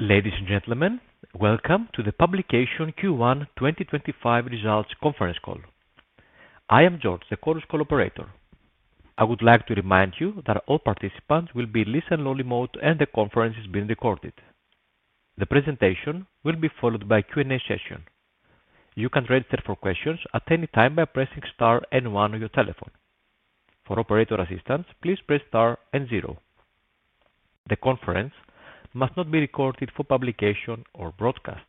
Ladies and gentlemen, welcome to the Publication Q1 2025 results conference call. I am George, the call's operator. I would like to remind you that all participants will be listened to in low remote, and the conference is being recorded. The presentation will be followed by a Q&A session. You can register for questions at any time by pressing star and one on your telephone. For operator assistance, please press star and zero. The conference must not be recorded for publication or broadcast.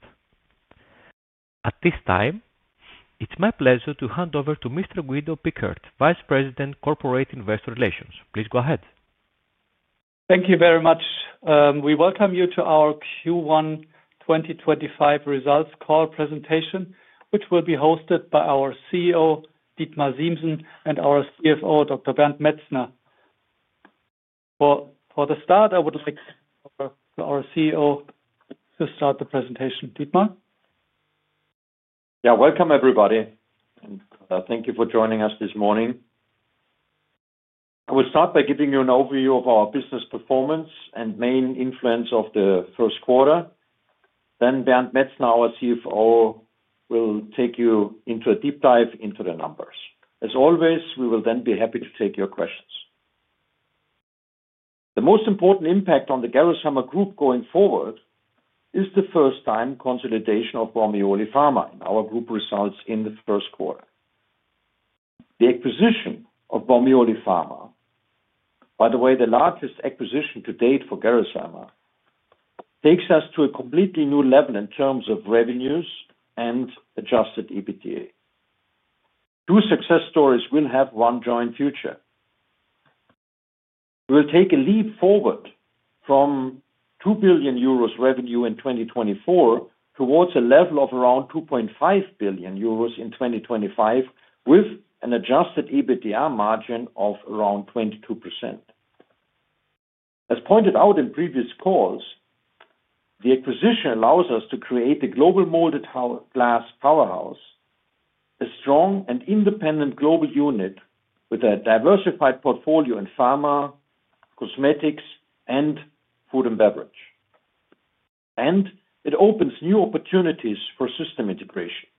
At this time, it's my pleasure to hand over to Mr. Guido Pickert, Vice President, Corporate Investor Relations. Please go ahead. Thank you very much. We welcome you to our Q1 2025 results call presentation, which will be hosted by our CEO, Dietmar Siemssen, and our CFO, Dr. Bernd Metzner. For the start, I would like our CEO to start the presentation. Dietmar? Yeah, welcome everybody, and thank you for joining us this morning. I will start by giving you an overview of our business performance and main influence of the first quarter. Then Bernd Metzner, our CFO, will take you into a deep dive into the numbers. As always, we will then be happy to take your questions. The most important impact on the Gerresheimer Group going forward is the first-time consolidation of Bormioli Pharma in our group results in the first quarter. The acquisition of Bormioli Pharma, by the way, the largest acquisition to date for Gerresheimer, takes us to a completely new level in terms of revenues and adjusted EBITDA. Two success stories will have one joint future. We'll take a leap forward from 2 billion euros revenue in 2024 towards a level of around 2.5 billion euros in 2025, with an adjusted EBITDA margin of around 22%. As pointed out in previous calls, the acquisition allows us to create a global molded glass powerhouse, a strong and independent global unit with a diversified portfolio in pharma, cosmetics, and food and beverage. It opens new opportunities for system integration,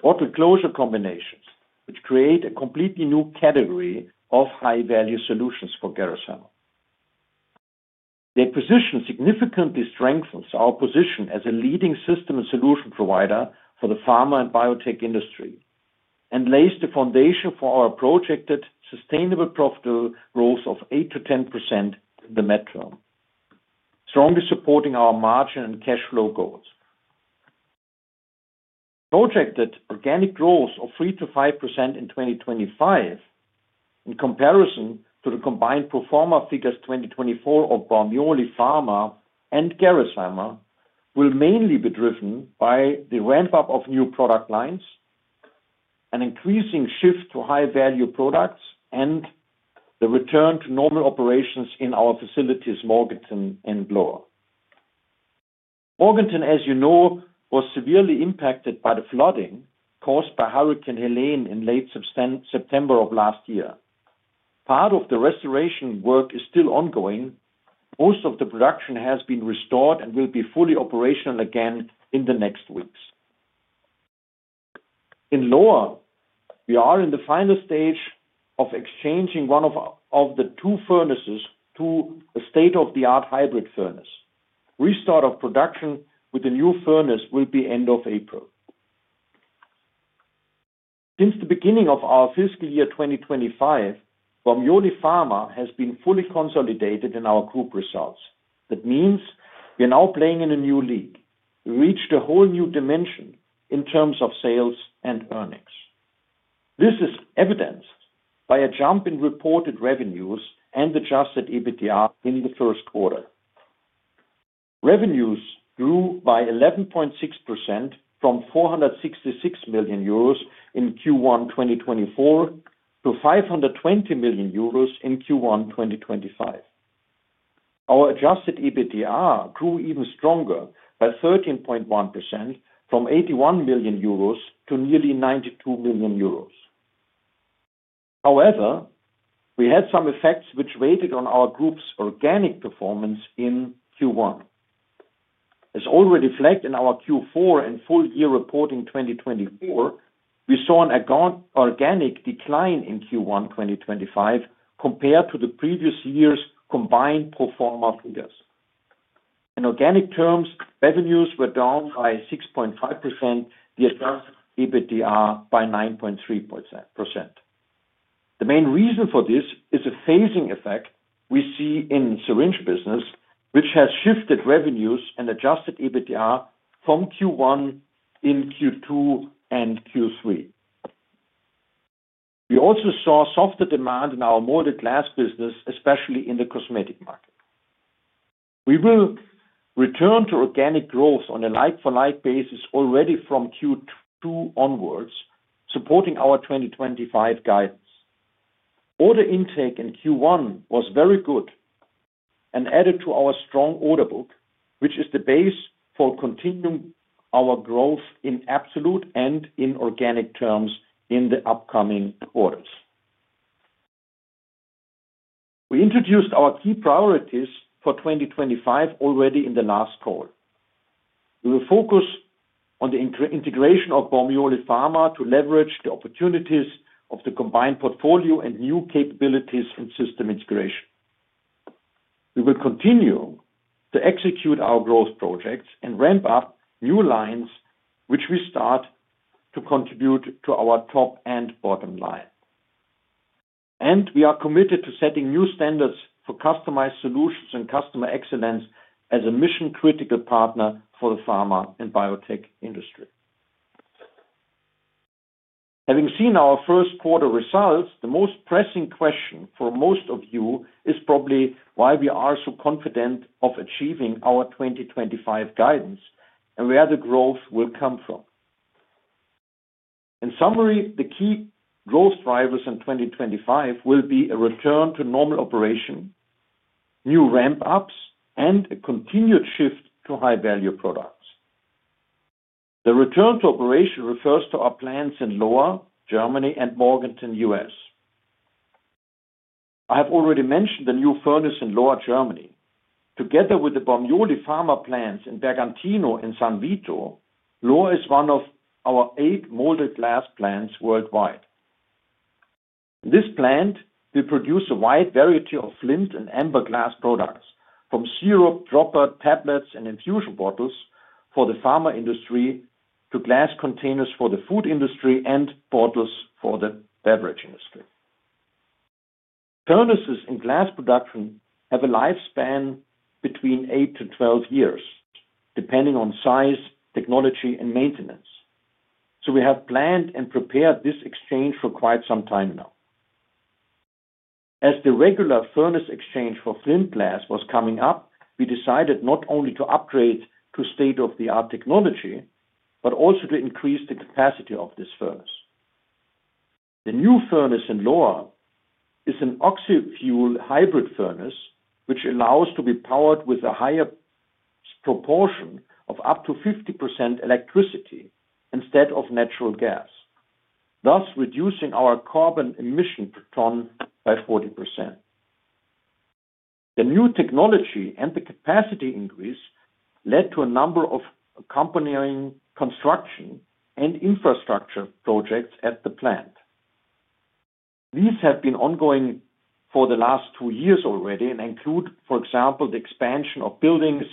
portal closure combinations, which create a completely new category of high-value solutions for Gerresheimer. The acquisition significantly strengthens our position as a leading system and solution provider for the pharma and biotech industry and lays the foundation for our projected sustainable profitable growth of 8%-10% in the mid term, strongly supporting our margin and cash flow goals. Projected organic growth of 3%-5% in 2025, in comparison to the combined pro forma figures 2024 of Bormioli Pharma and Gerresheimer, will mainly be driven by the ramp-up of new product lines, an increasing shift to high-value products, and the return to normal operations in our facilities, Morganton and Lohr. Morganton, as you know, was severely impacted by the flooding caused by Hurricane Helene in late September of last year. Part of the restoration work is still ongoing. Most of the production has been restored and will be fully operational again in the next weeks. In Lohr, we are in the final stage of exchanging one of the two furnaces to a state-of-the-art hybrid furnace. Restart of production with the new furnace will be end of April. Since the beginning of our fiscal year 2025, Bormioli Pharma has been fully consolidated in our group results. That means we're now playing in a new league. We reached a whole new dimension in terms of sales and earnings. This is evidenced by a jump in reported revenues and adjusted EBITDA in the first quarter. Revenues grew by 11.6% from 466 million euros in Q1 2024 to 520 million euros in Q1 2025. Our adjusted EBITDA grew even stronger by 13.1% from 81 million euros to nearly 92 million euros. However, we had some effects which weighed on our group's organic performance in Q1. As already flagged in our Q4 and full-year reporting 2024, we saw an organic decline in Q1 2025 compared to the previous year's combined pro forma figures. In organic terms, revenues were down by 6.5%, the adjusted EBITDA by 9.3%. The main reason for this is a phasing effect we see in syringe business, which has shifted revenues and adjusted EBITDA from Q1 into Q2 and Q3. We also saw softer demand in our molded glass business, especially in the cosmetic market. We will return to organic growth on a like-for-like basis already from Q2 onwards, supporting our 2025 guidance. Order intake in Q1 was very good and added to our strong order book, which is the base for continuing our growth in absolute and in organic terms in the upcoming quarters. We introduced our key priorities for 2025 already in the last call. We will focus on the integration of Bormioli Pharma to leverage the opportunities of the combined portfolio and new capabilities in system integration. We will continue to execute our growth projects and ramp up new lines, which will start to contribute to our top and bottom line. We are committed to setting new standards for customized solutions and customer excellence as a mission-critical partner for the pharma and biotech industry. Having seen our first-quarter results, the most pressing question for most of you is probably why we are so confident of achieving our 2025 guidance and where the growth will come from. In summary, the key growth drivers in 2025 will be a return to normal operation, new ramp-ups, and a continued shift to high-value products. The return to operation refers to our plants in Lohr, Germany, and Morganton, U.S. I have already mentioned the new furnace in Lohr, Germany. Together with the Bormioli Pharma plants in Bergantino and San Vito, Lohr is one of our eight molded glass plants worldwide. This plant will produce a wide variety of flint and amber glass products, from syrup, dropper, tablets, and infusion bottles for the pharma industry to glass containers for the food industry and bottles for the beverage industry. Furnaces in glass production have a lifespan between 8 to 12 years, depending on size, technology, and maintenance. We have planned and prepared this exchange for quite some time now. As the regular furnace exchange for flint glass was coming up, we decided not only to upgrade to state-of-the-art technology, but also to increase the capacity of this furnace. The new furnace in Lohr is an oxy-fuel hybrid furnace, which allows it to be powered with a higher proportion of up to 50% electricity instead of natural gas, thus reducing our carbon emission per ton by 40%. The new technology and the capacity increase led to a number of accompanying construction and infrastructure projects at the plant. These have been ongoing for the last two years already and include, for example, the expansion of buildings,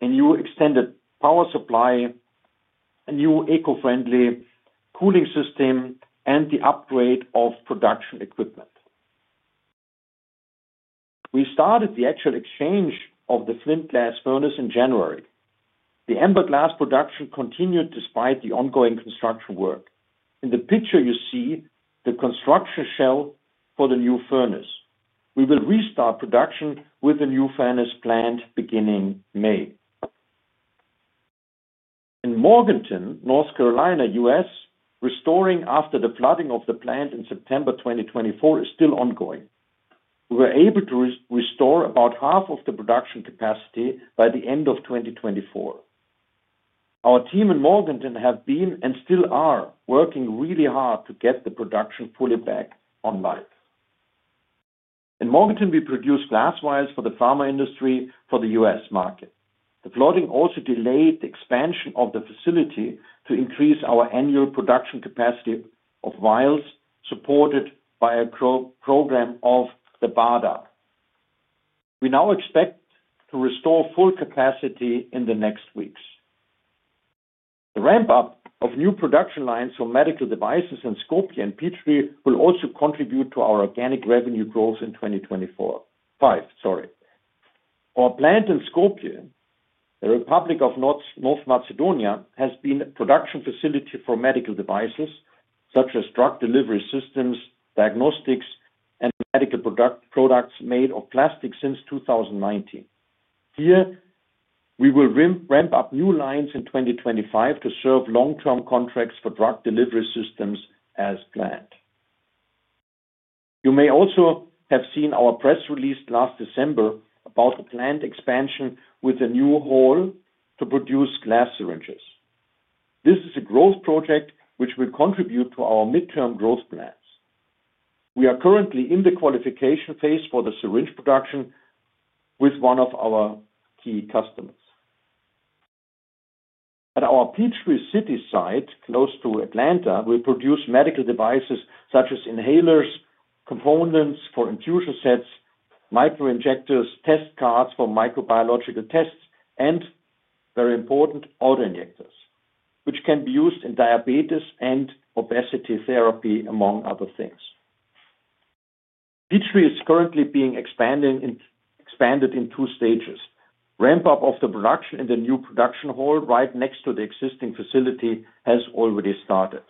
a new extended power supply, a new eco-friendly cooling system, and the upgrade of production equipment. We started the actual exchange of the flint glass furnace in January. The amber glass production continued despite the ongoing construction work. In the picture, you see the construction shell for the new furnace. We will restart production with the new furnace plant beginning May. In Morganton, North Carolina, U.S., restoring after the flooding of the plant in September 2024 is still ongoing. We were able to restore about half of the production capacity by the end of 2024. Our team in Morganton have been and still are working really hard to get the production fully back online. In Morganton, we produce glass vials for the pharma industry for the U.S. market. The flooding also delayed the expansion of the facility to increase our annual production capacity of vials, supported by a program of the BARDA. We now expect to restore full capacity in the next weeks. The ramp-up of new production lines for medical devices in Skopje and Peachtree City will also contribute to our organic revenue growth in 2025. Our plant in Skopje, the Republic of North Macedonia, has been a production facility for medical devices such as drug delivery systems, diagnostics, and medical products made of plastic since 2019. Here, we will ramp up new lines in 2025 to serve long-term contracts for drug delivery systems as planned. You may also have seen our press release last December about the plant expansion with a new hall to produce glass syringes. This is a growth project which will contribute to our midterm growth plans. We are currently in the qualification phase for the syringe production with one of our key customers. At our Peachtree City site, close to Atlanta, we produce medical devices such as inhalers, components for infusion sets, micro-injectors, test cards for microbiological tests, and, very important, autoinjectors, which can be used in diabetes and obesity therapy, among other things. Peachtree is currently being expanded in two stages. Ramp-up of the production in the new production hall right next to the existing facility has already started.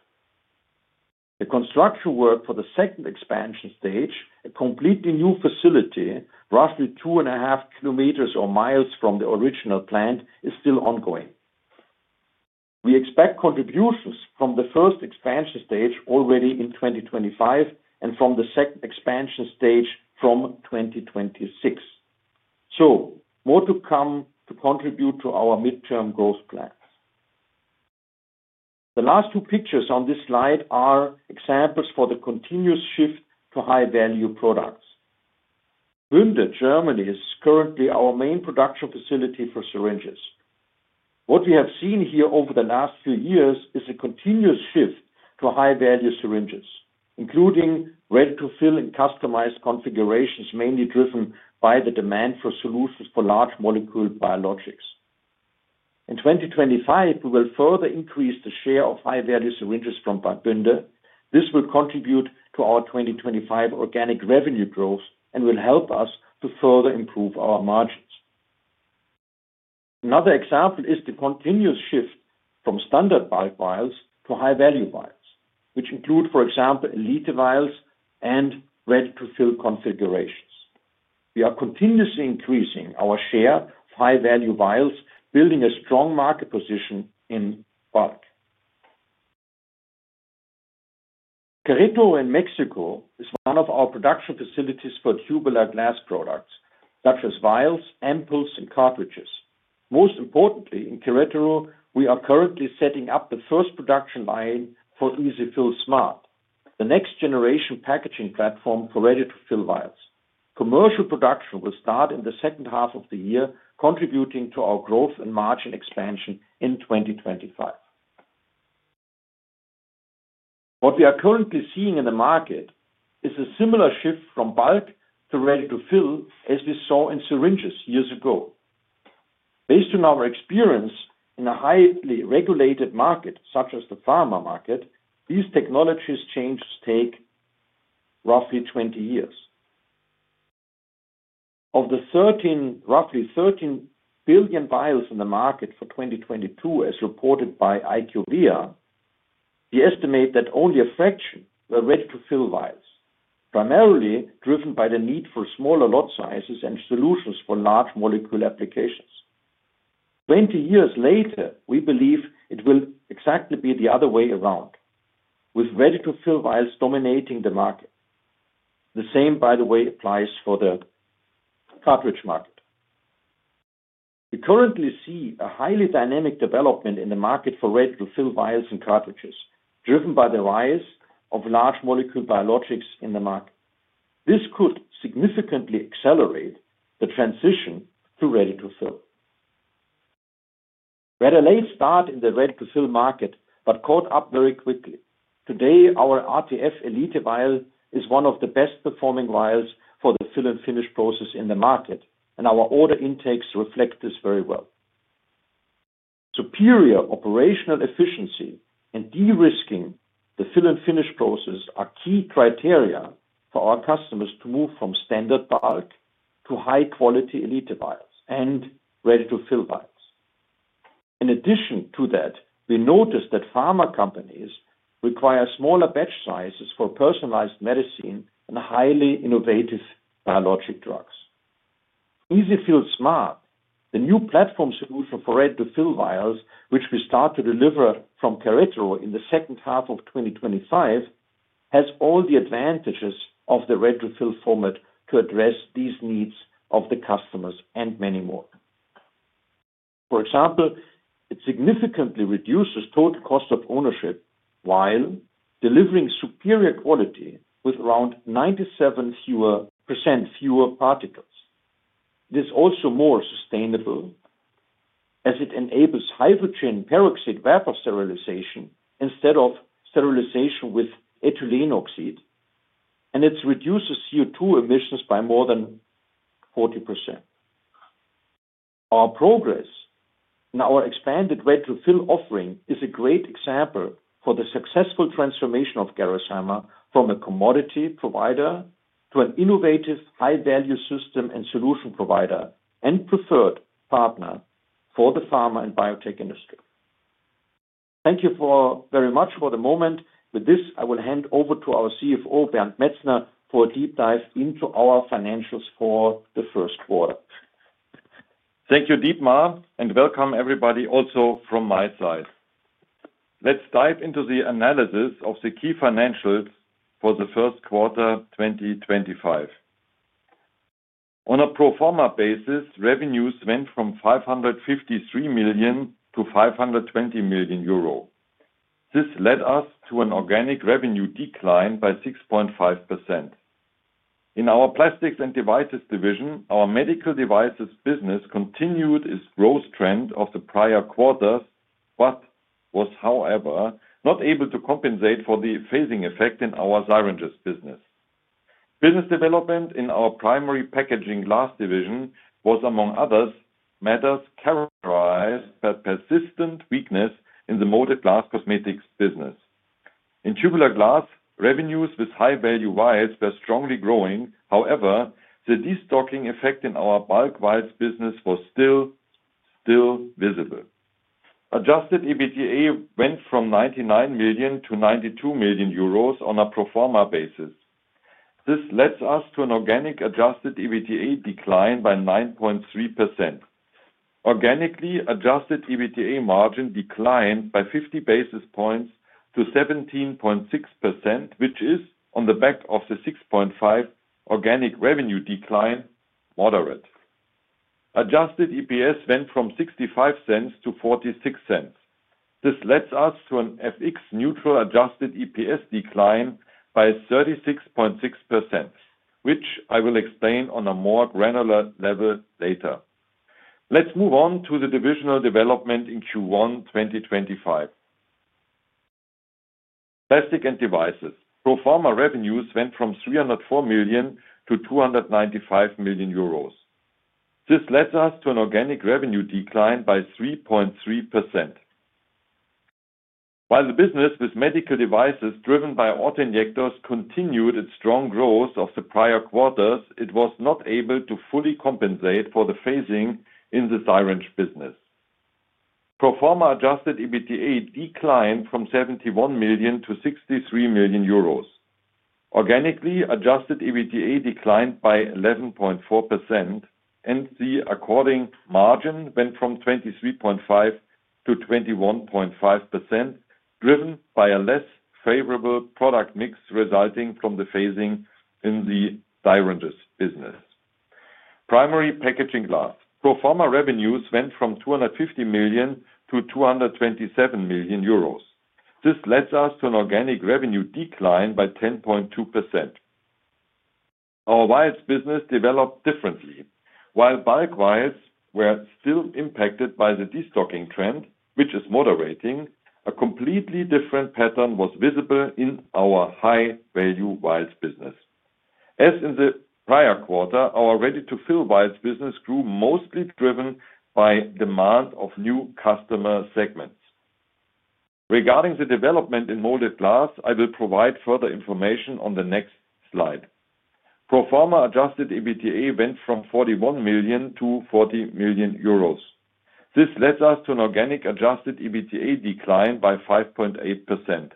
The construction work for the second expansion stage, a completely new facility, roughly 2.5 km or mi from the original plant, is still ongoing. We expect contributions from the first expansion stage already in 2025 and from the second expansion stage from 2026. More to come to contribute to our midterm growth plans. The last two pictures on this slide are examples for the continuous shift to high-value products. Bünde, Germany, is currently our main production facility for syringes. What we have seen here over the last few years is a continuous shift to high-value syringes, including ready-to-fill and customized configurations, mainly driven by the demand for solutions for large molecule biologics. In 2025, we will further increase the share of high-value syringes from Bünde. This will contribute to our 2025 organic revenue growth and will help us to further improve our margins. Another example is the continuous shift from standard vials to high-value vials, which include, for example, Elite vials and ready-to-fill configurations. We are continuously increasing our share of high-value vials, building a strong market position in bulk. Querétaro, in Mexico, is one of our production facilities for tubular glass products, such as vials, ampoules, and cartridges. Most importantly, in Querétaro, we are currently setting up the first production line for EZ-fill Smart, the next-generation packaging platform for ready-to-fill vials. Commercial production will start in the second half of the year, contributing to our growth and margin expansion in 2025. What we are currently seeing in the market is a similar shift from bulk to ready-to-fill, as we saw in syringes years ago. Based on our experience in a highly regulated market, such as the pharma market, these technology changes take roughly 20 years. Of the roughly 13 billion vials in the market for 2022, as reported by IQVIA, we estimate that only a fraction were ready-to-fill vials, primarily driven by the need for smaller lot sizes and solutions for large molecule applications. 20 years later, we believe it will exactly be the other way around, with ready-to-fill vials dominating the market. The same, by the way, applies for the cartridge market. We currently see a highly dynamic development in the market for ready-to-fill vials and cartridges, driven by the rise of large molecule biologics in the market. This could significantly accelerate the transition to ready-to-fill. We had a late start in the ready-to-fill market but caught up very quickly. Today, our RTF Elite vial is one of the best-performing vials for the fill and finish process in the market, and our order intakes reflect this very well. Superior operational efficiency and de-risking the fill and finish process are key criteria for our customers to move from standard bulk to high-quality Elite vials and ready-to-fill vials. In addition to that, we noticed that pharma companies require smaller batch sizes for personalized medicine and highly innovative biologic drugs. EZ-fill Smart, the new platform solution for ready-to-fill vials, which we start to deliver from Querétaro in the second half of 2025, has all the advantages of the ready-to-fill format to address these needs of the customers and many more. For example, it significantly reduces total cost of ownership while delivering superior quality with around 97% fewer particles. It is also more sustainable, as it enables hydrogen peroxide vapor sterilization instead of sterilization with ethylene oxide, and it reduces CO2 emissions by more than 40%. Our progress in our expanded ready-to-fill offering is a great example for the successful transformation of Gerresheimer from a commodity provider to an innovative high-value system and solution provider and preferred partner for the pharma and biotech industry. Thank you very much for the moment. With this, I will hand over to our CFO, Bernd Metzner, for a deep dive into our financials for the first quarter. Thank you, Dietmar, and welcome, everybody, also from my side. Let's dive into the analysis of the key financials for the first quarter 2025. On a pro forma basis, revenues went from 553 million to 520 million euro. This led us to an organic revenue decline by 6.5%. In our plastics and devices division, our medical devices business continued its growth trend of the prior quarters but was, however, not able to compensate for the phasing effect in our syringes business. Business development in our primary packaging glass division was, among others, characterized by persistent weakness in the molded glass cosmetics business. In tubular glass, revenues with high-value vials were strongly growing; however, the destocking effect in our bulk vials business was still visible. Adjusted EBITDA went from 99 million to 92 million euros on a pro forma basis. This led us to an organic adjusted EBITDA decline by 9.3%. Organically adjusted EBITDA margin declined by 50 basis points to 17.6%, which is, on the back of the 6.5% organic revenue decline, moderate. Adjusted EPS went from $0.65 to $0.46. This led us to an FX-neutral adjusted EPS decline by 36.6%, which I will explain on a more granular level later. Let's move on to the divisional development in Q1 2025. Plastics and devices. Pro forma revenues went from 304 million to 295 million euros. This led us to an organic revenue decline by 3.3%. While the business with medical devices driven by autoinjectors continued its strong growth of the prior quarters, it was not able to fully compensate for the phasing in the syringe business. Pro forma adjusted EBITDA declined from 71 million to 63 million euros. Organically adjusted EBITDA declined by 11.4%, and the according margin went from 23.5% to 21.5%, driven by a less favorable product mix resulting from the phasing in the syringes business. Primary packaging glass. Pro forma revenues went from 250 million to 227 million euros. This led us to an organic revenue decline by 10.2%. Our vials business developed differently. While bulk vials were still impacted by the destocking trend, which is moderating, a completely different pattern was visible in our high-value vials business. As in the prior quarter, our ready-to-fill vials business grew mostly driven by demand of new customer segments. Regarding the development in molded glass, I will provide further information on the next slide. Pro forma adjusted EBITDA went from 41 million to 40 million euros. This led us to an organic adjusted EBITDA decline by 5.8%.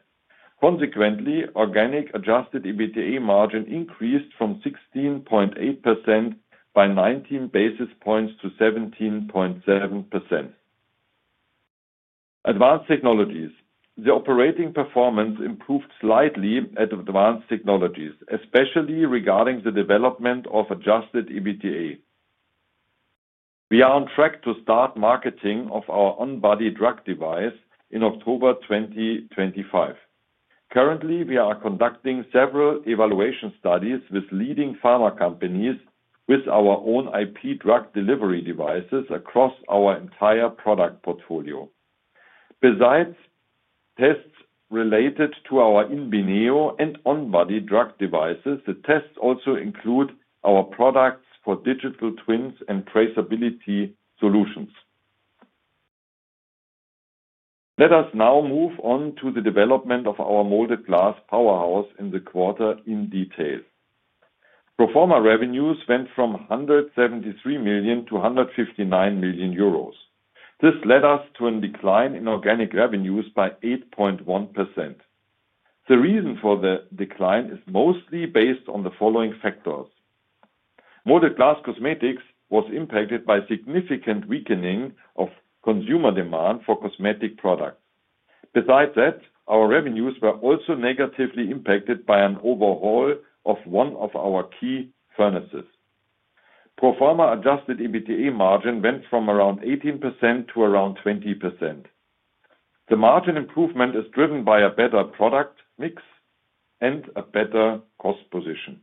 Consequently, organic adjusted EBITDA margin increased from 16.8% by 19 basis points to 17.7%. Advanced technologies. The operating performance improved slightly at advanced technologies, especially regarding the development of adjusted EBITDA. We are on track to start marketing of our on-body drug device in October 2025. Currently, we are conducting several evaluation studies with leading pharma companies with our own IP drug delivery devices across our entire product portfolio. Besides tests related to our in vivo and on-body drug devices, the tests also include our products for digital twins and traceability solutions. Let us now move on to the development of our molded glass powerhouse in the quarter in detail. Pro forma revenues went from 173 million to 159 million euros. This led us to a decline in organic revenues by 8.1%. The reason for the decline is mostly based on the following factors. Molded glass cosmetics was impacted by significant weakening of consumer demand for cosmetic products. Besides that, our revenues were also negatively impacted by an overhaul of one of our key furnaces. Pro forma adjusted EBITDA margin went from around 18% to around 20%. The margin improvement is driven by a better product mix and a better cost position.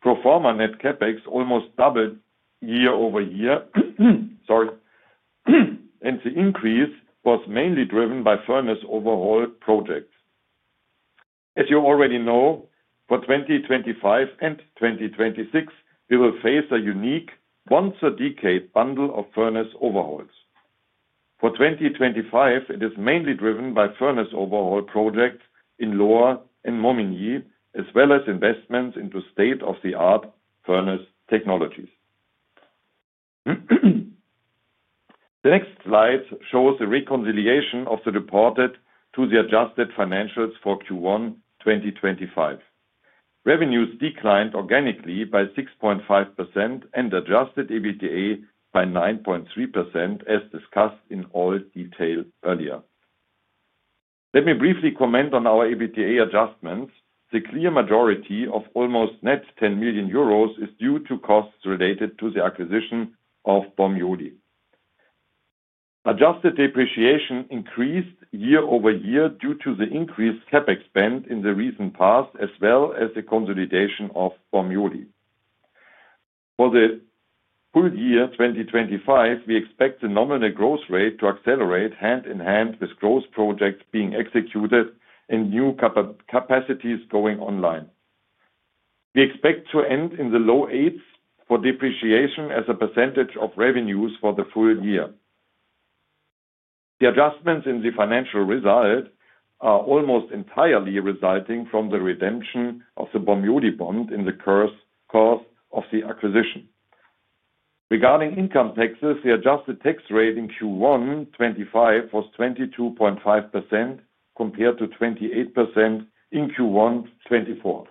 Pro forma net CapEx almost doubled year over year, and the increase was mainly driven by furnace overhaul projects. As you already know, for 2025 and 2026, we will face a unique once-a-decade bundle of furnace overhauls. For 2025, it is mainly driven by furnace overhaul projects in Lohr and Montmagny, as well as investments into state-of-the-art furnace technologies. The next slide shows the reconciliation of the reported to the adjusted financials for Q1 2025. Revenues declined organically by 6.5% and adjusted EBITDA by 9.3%, as discussed in all detail earlier. Let me briefly comment on our EBITDA adjustments. The clear majority of almost net 10 million euros is due to costs related to the acquisition of Bormioli. Adjusted depreciation increased year over year due to the increased CapEx spend in the recent past, as well as the consolidation of Bormioli. For the full year 2025, we expect the nominal growth rate to accelerate hand in hand with growth projects being executed and new capacities going online. We expect to end in the low eights for depreciation as a percentage of revenues for the full year. The adjustments in the financial result are almost entirely resulting from the redemption of the Bormioli bond in the course of the acquisition. Regarding income taxes, the adjusted tax rate in Q1 2025 was 22.5% compared to 28% in Q1 2024.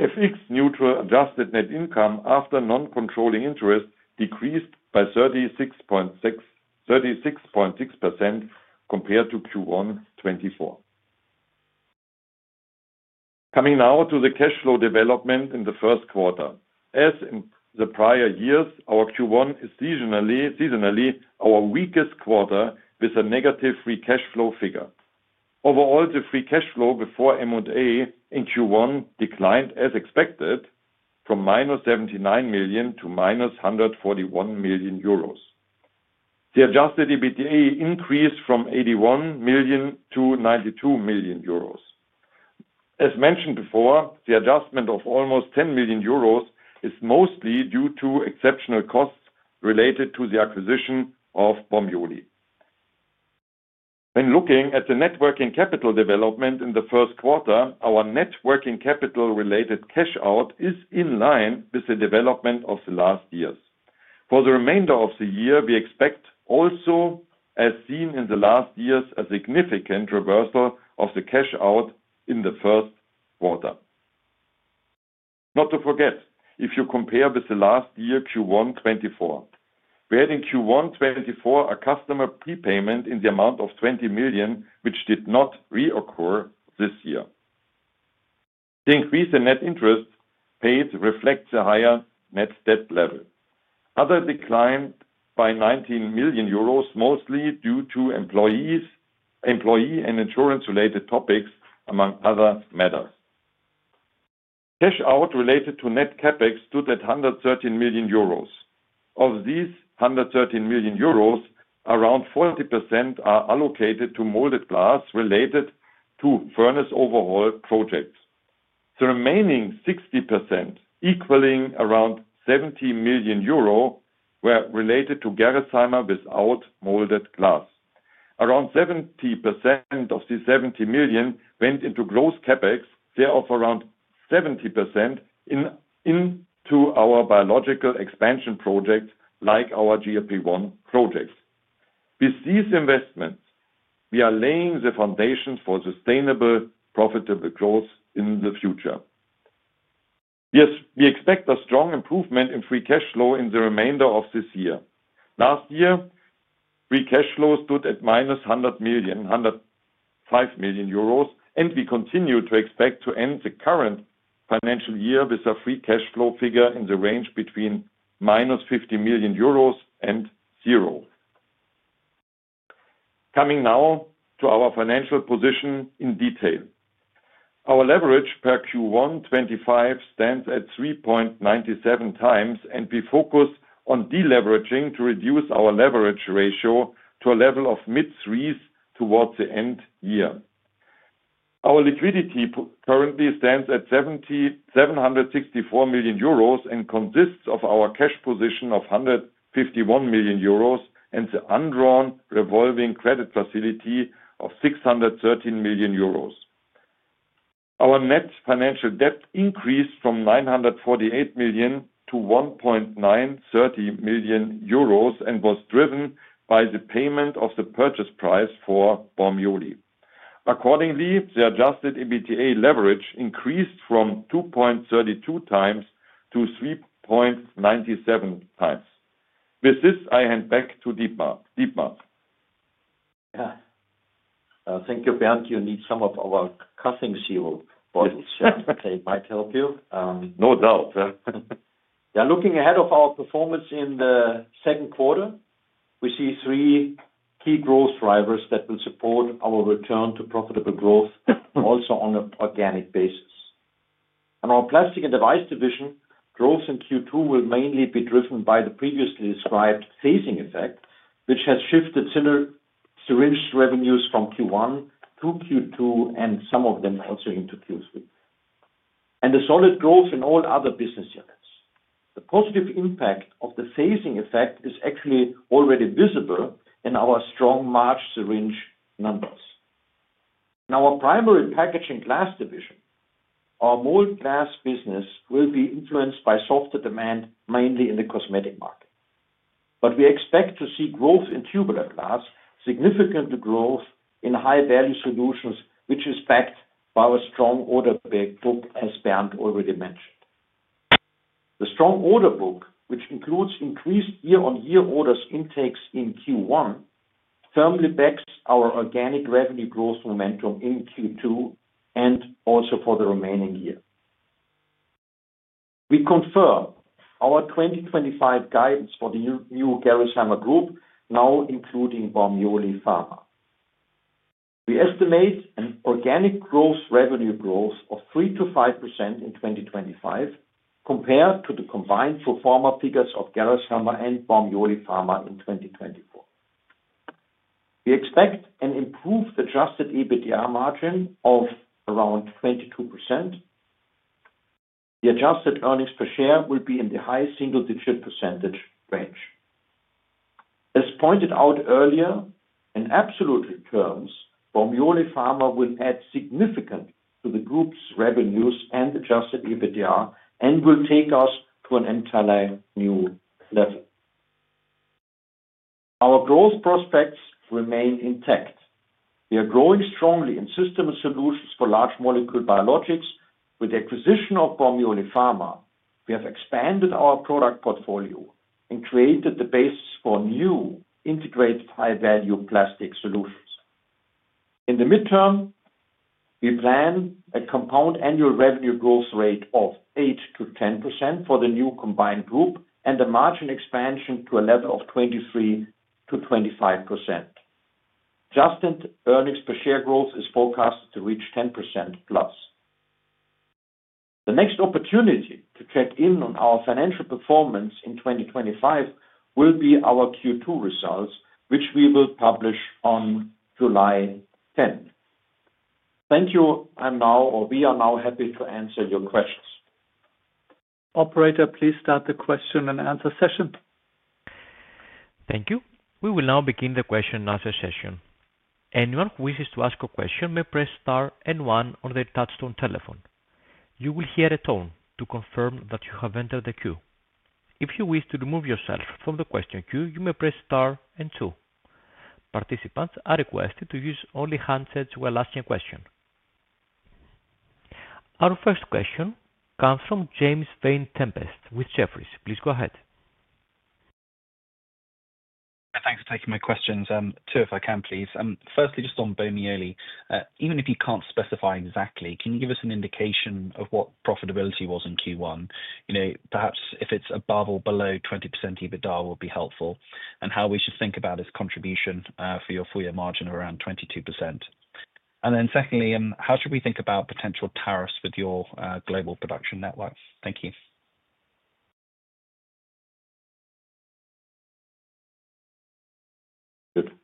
FX-neutral adjusted net income after non-controlling interest decreased by 36.6% compared to Q1 2024. Coming now to the cash flow development in the first quarter. As in the prior years, our Q1 is seasonally our weakest quarter with a negative free cash flow figure. Overall, the free cash flow before M&A in Q1 declined as expected from -79 million to -141 million euros. The adjusted EBITDA increased from 81 million to 92 million euros. As mentioned before, the adjustment of almost 10 million euros is mostly due to exceptional costs related to the acquisition of Bormioli. When looking at the net working capital development in the first quarter, our net working capital-related cash out is in line with the development of the last years. For the remainder of the year, we expect also, as seen in the last years, a significant reversal of the cash out in the first quarter. Not to forget, if you compare with the last year, Q1 2024, we had in Q1 2024 a customer prepayment in the amount of 20 million, which did not reoccur this year. The increase in net interest paid reflects a higher net debt level. Others declined by 19 million euros, mostly due to employee and insurance-related topics, among other matters. Cash out related to net CapEx stood at 113 million euros. Of these 113 million euros, around 40% are allocated to molded glass related to furnace overhaul projects. The remaining 60%, equaling around 70 million euro, were related to Gerresheimer without molded glass. Around 70% of the 70 million went into gross CapEx, thereof around 70% into our biological expansion projects, like our GLP-1 projects. With these investments, we are laying the foundation for sustainable, profitable growth in the future. We expect a strong improvement in free cash flow in the remainder of this year. Last year, free cash flow stood at minus 100 million, and we continue to expect to end the current financial year with a free cash flow figure in the range between minus 50 million euros and zero. Coming now to our financial position in detail. Our leverage per Q1 2025 stands at 3.97x, and we focus on deleveraging to reduce our leverage ratio to a level of mid-threes towards the end year. Our liquidity currently stands at 764 million euros and consists of our cash position of 151 million euros and the undrawn revolving credit facility of 613 million euros. Our net financial debt increased from 948 million to 1,930 million euros and was driven by the payment of the purchase price for Bormioli. Accordingly, the adjusted EBITDA leverage increased from 2.32x to 3.97x. With this, I hand back to Dietmar. Yeah. I think you need some of our cutting seal bottles, so they might help you. No doubt. Yeah. Looking ahead of our performance in the second quarter, we see three key growth drivers that will support our return to profitable growth, also on an organic basis. In our plastic and device division, growth in Q2 will mainly be driven by the previously described phasing effect, which has shifted syringe revenues from Q1 to Q2 and some of them also into Q3. The solid growth in all other business units. The positive impact of the phasing effect is actually already visible in our strong March syringe numbers. In our primary packaging glass division, our mold glass business will be influenced by softer demand, mainly in the cosmetic market. We expect to see growth in tubular glass, significant growth in high-value solutions, which is backed by a strong order book, as Bernd already mentioned. The strong order book, which includes increased year-on-year orders intake in Q1, firmly backs our organic revenue growth momentum in Q2 and also for the remaining year. We confirm our 2025 guidance for the new Gerresheimer Group, now including Bormioli Pharma. We estimate an organic revenue growth of 3%-5% in 2025 compared to the combined pro forma figures of Gerresheimer and Bormioli Pharma in 2024. We expect an improved adjusted EBITDA margin of around 22%. The adjusted earnings per share will be in the high single-digit percentage range. As pointed out earlier, in absolute terms, Bormioli Pharma will add significantly to the group's revenues and adjusted EBITDA and will take us to an entirely new level. Our growth prospects remain intact. We are growing strongly in system solutions for large molecule biologics. With the acquisition of Bormioli Pharma, we have expanded our product portfolio and created the basis for new integrated high-value plastic solutions. In the midterm, we plan a compound annual revenue growth rate of 8%-10% for the new combined group and a margin expansion to a level of 23%-25%. Adjusted earnings per share growth is forecast to reach 10%+. The next opportunity to check in on our financial performance in 2025 will be our Q2 results, which we will publish on July 10. Thank you. I'm now, or we are now, happy to answer your questions. Operator, please start the question and answer session. Thank you. We will now begin the question and answer session. Anyone who wishes to ask a question may press star and one on the touchtone telephone. You will hear a tone to confirm that you have entered the queue. If you wish to remove yourself from the question queue, you may press star and two. Participants are requested to use only handsets while asking a question. Our first question comes from James Vane-Tempest with Jefferies. Please go ahead. Thanks for taking my questions. Two if I can, please. Firstly, just on Bormioli, even if you can't specify exactly, can you give us an indication of what profitability was in Q1? Perhaps if it's above or below 20% EBITDA would be helpful, and how we should think about its contribution for your full-year margin of around 22%. And then secondly, how should we think about potential tariffs with your global production network? Thank you.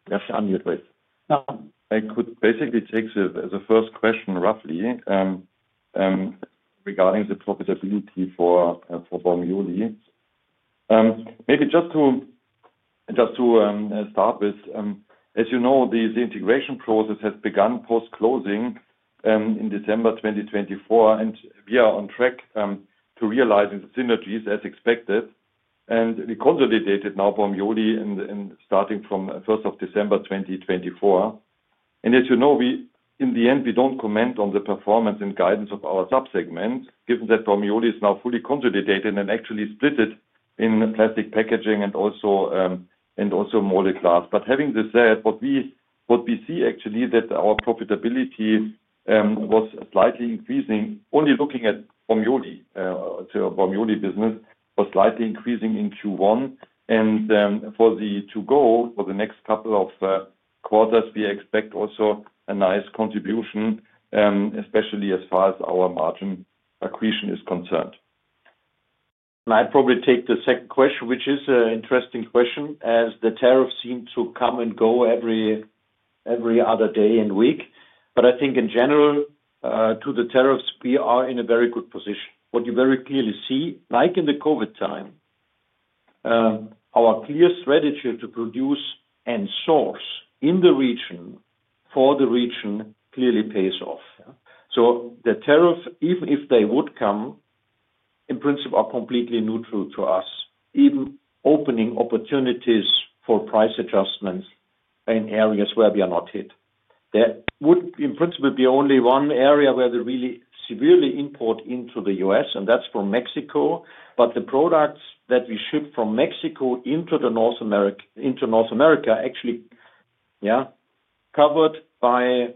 Good. You have to unmute, please. I could basically take the first question roughly regarding the profitability for Bormioli. Maybe just to start with, as you know, the integration process has begun post-closing in December 2024, and we are on track to realize the synergies as expected. We consolidated now Bormioli starting from 1st of December 2024. As you know, in the end, we do not comment on the performance and guidance of our subsegment, given that Bormioli is now fully consolidated and actually split in plastic packaging and also molded glass. Having this said, what we see actually is that our profitability was slightly increasing. Only looking at Bormioli, so Bormioli business was slightly increasing in Q1. For the to-go, for the next couple of quarters, we expect also a nice contribution, especially as far as our margin accretion is concerned. I'd probably take the second question, which is an interesting question, as the tariffs seem to come and go every other day and week. I think in general, to the tariffs, we are in a very good position. What you very clearly see, like in the COVID time, our clear strategy to produce and source in the region for the region clearly pays off. The tariff, even if they would come, in principle, are completely neutral to us, even opening opportunities for price adjustments in areas where we are not hit. There would, in principle, be only one area where they really severely import into the U.S., and that's from Mexico. The products that we ship from Mexico into North America are actually covered by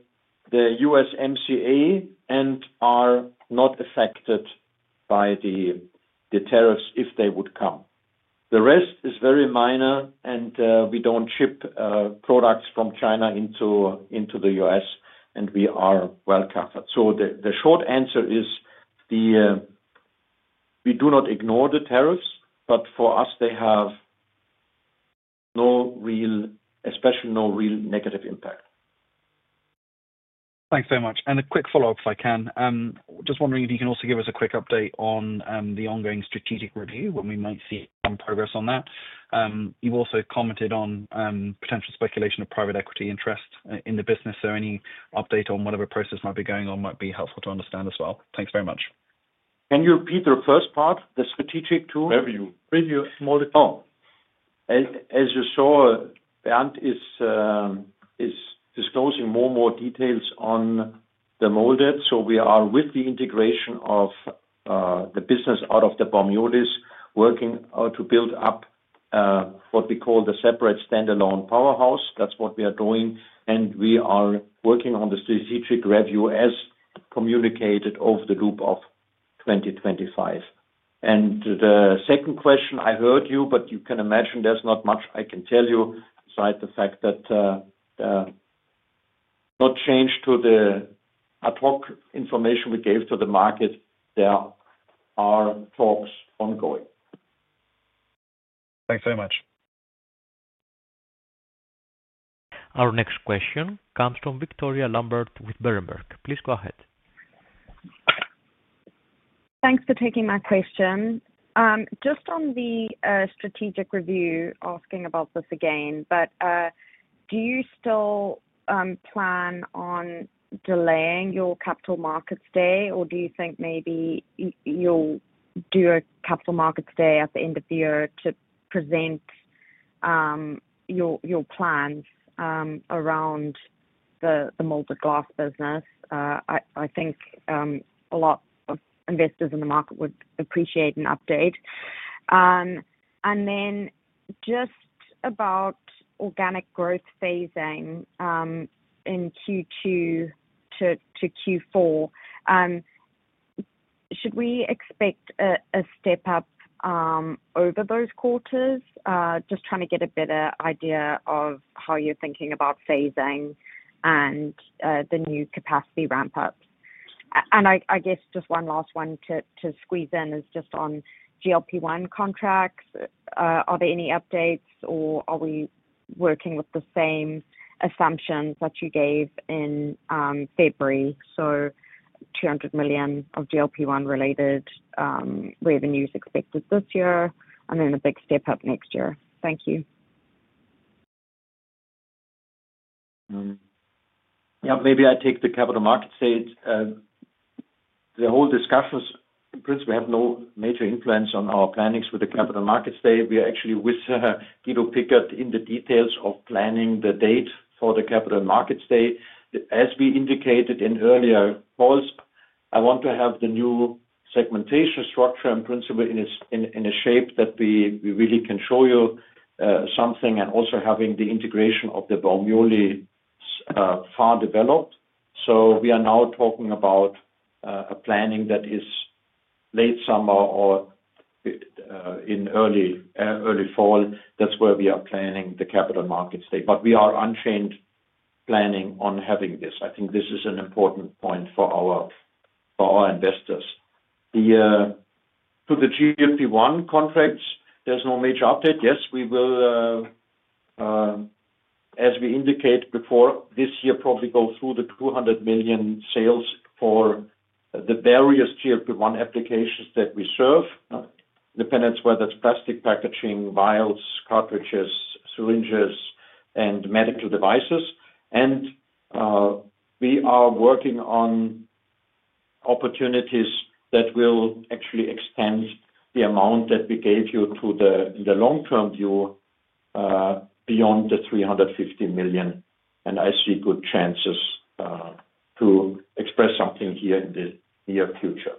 the USMCA and are not affected by the tariffs if they would come. The rest is very minor, and we do not ship products from China into the U.S., and we are well covered. The short answer is we do not ignore the tariffs, but for us, they have no real, especially no real negative impact. Thanks very much. A quick follow-up, if I can. Just wondering if you can also give us a quick update on the ongoing strategic review, when we might see some progress on that. You have also commented on potential speculation of private equity interest in the business. Any update on whatever process might be going on might be helpful to understand as well. Thanks very much. Can you repeat the first part, the strategic tool? Review. Review, molded. Oh. As you saw, Bernd is disclosing more and more details on the molded. We are with the integration of the business out of the Bormioli, working to build up what we call the separate standalone powerhouse. That's what we are doing. We are working on the strategic review as communicated over the loop of 2025. The second question, I heard you, but you can imagine there's not much I can tell you beside the fact that nothing has changed to the talk information we gave to the market, there are talks ongoing. Thanks very much. Our next question comes from Victoria Lambert with Berenberg. Please go ahead. Thanks for taking my question. Just on the strategic review, asking about this again, but do you still plan on delaying your capital markets day, or do you think maybe you'll do a capital markets day at the end of the year to present your plans around the molded glass business? I think a lot of investors in the market would appreciate an update. Just about organic growth phasing in Q2 to Q4, should we expect a step up over those quarters? Just trying to get a better idea of how you're thinking about phasing and the new capacity ramp-ups. I guess just one last one to squeeze in is just on GLP-1 contracts. Are there any updates, or are we working with the same assumptions that you gave in February? 200 million of GLP-1 related revenues expected this year, and then a big step up next year. Thank you. Maybe I take the capital markets date. The whole discussions, in principle, have no major influence on our plannings with the capital markets day. We are actually with Guido Pickert in the details of planning the date for the capital markets day. As we indicated in earlier calls, I want to have the new segmentation structure in principle in a shape that we really can show you something and also having the integration of the Bormioli far developed. We are now talking about a planning that is late summer or in early fall. That is where we are planning the capital markets day. We are unchanged planning on having this. I think this is an important point for our investors. To the GLP-1 contracts, there is no major update. Yes, we will, as we indicated before, this year probably go through the 200 million sales for the various GLP-1 applications that we serve, dependent on whether it is plastic packaging, vials, cartridges, syringes, and medical devices. We are working on opportunities that will actually extend the amount that we gave you in the long-term view beyond the 350 million. I see good chances to express something here in the near future.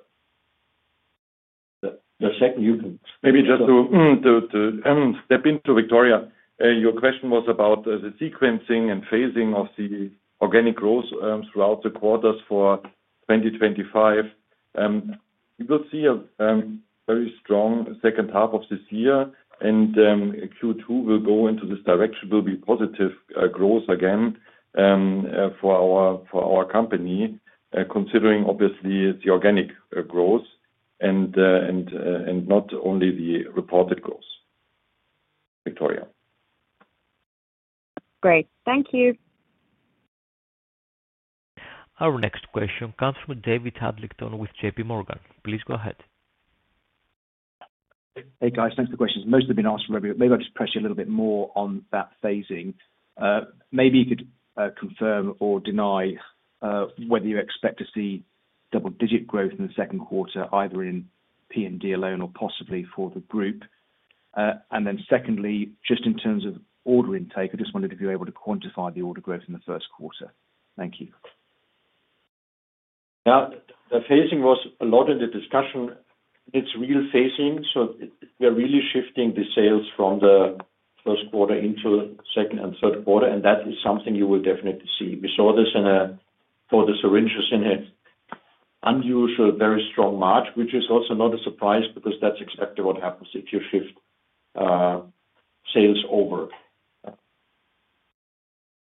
The second, you can maybe just to step in to Victoria. Your question was about the sequencing and phasing of the organic growth throughout the quarters for 2025. You will see a very strong second half of this year, and Q2 will go into this direction, will be positive growth again for our company, considering obviously the organic growth and not only the reported growth. Victoria. Great. Thank you. Our next question comes from David Adlington with J.P. Morgan. Please go ahead. Hey, guys. Thanks for the questions. Most have been asked already. Maybe I'll just press you a little bit more on that phasing. Maybe you could confirm or deny whether you expect to see double-digit growth in the second quarter, either in P&D alone or possibly for the group. Secondly, just in terms of order intake, I just wondered if you're able to quantify the order growth in the first quarter. Thank you. Yeah, the phasing was a lot in the discussion. It's real phasing. We are really shifting the sales from the first quarter into the second and third quarter. That is something you will definitely see. We saw this for the syringes in an unusual, very strong March, which is also not a surprise because that's exactly what happens if you shift sales over.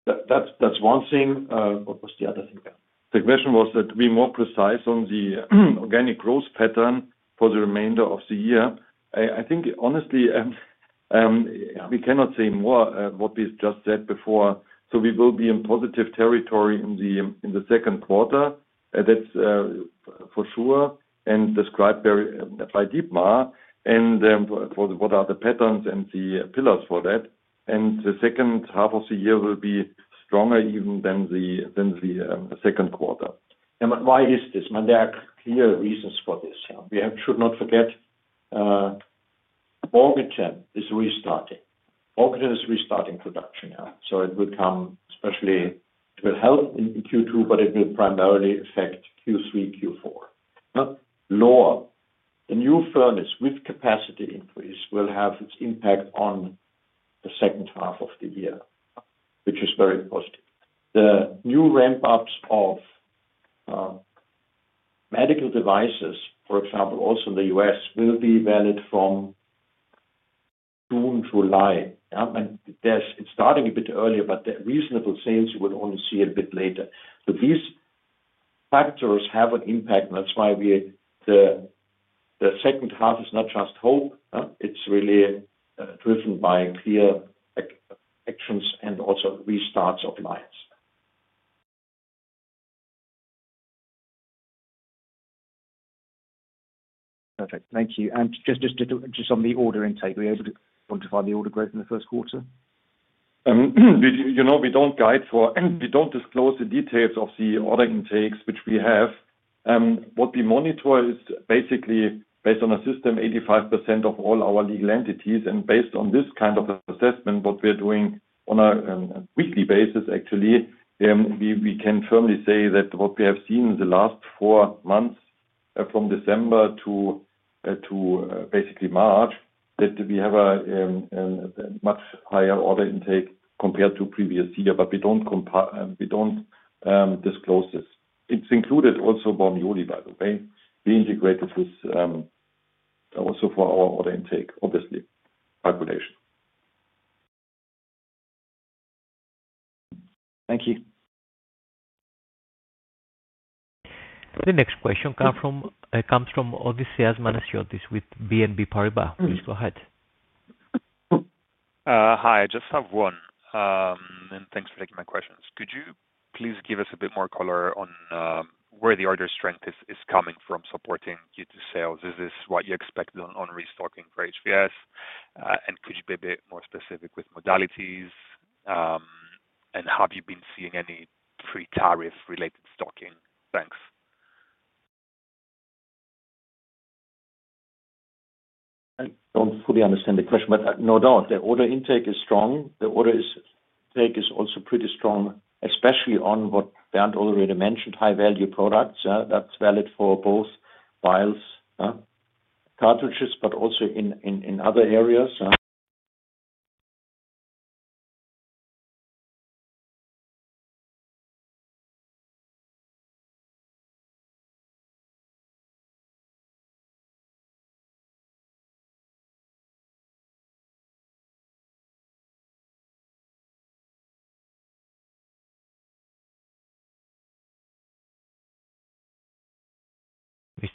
That's one thing. What was the other thing? The question was that we're more precise on the organic growth pattern for the remainder of the year. I think, honestly, we cannot say more than what we just said before. We will be in positive territory in the second quarter. That's for sure and described very by Dietmar and what are the patterns and the pillars for that. The second half of the year will be stronger even than the second quarter. Why is this? There are clear reasons for this. We should not forget Morganton is restarting. Morganton is restarting production. It will come, especially it will help in Q2, but it will primarily affect Q3, Q4. Lohr, the new furnace with capacity increase, will have its impact on the second half of the year, which is very positive. The new ramp-ups of medical devices, for example, also in the U.S., will be valid from June, July. It's starting a bit earlier, but reasonable sales you will only see a bit later. These factors have an impact. That's why the second half is not just hope. It's really driven by clear actions and also restarts of lines. Perfect. Thank you. Just on the order intake, were you able to quantify the order growth in the first quarter? We don't guide for, we don't disclose the details of the order intakes, which we have. What we monitor is basically based on a system, 85% of all our legal entities. Based on this kind of assessment, what we're doing on a weekly basis, actually, we can firmly say that what we have seen in the last four months from December to basically March, we have a much higher order intake compared to previous year. We don't disclose this. It's included also Bormioli, by the way. We integrated this also for our order intake, obviously, calculation. Thank you. The next question comes from Odysseas Manesiotis with BNP Paribas. Please go ahead. Hi, I just have one. Thanks for taking my questions. Could you please give us a bit more color on where the order strength is coming from supporting Q2 sales? Is this what you expect on restocking for HVS? Could you be a bit more specific with modalities? Have you been seeing any pre-tariff-related stocking? Thanks. I don't fully understand the question, but no doubt, the order intake is strong. The order intake is also pretty strong, especially on what Bernd already mentioned, high-value products. That's valid for both vials, cartridges, but also in other areas.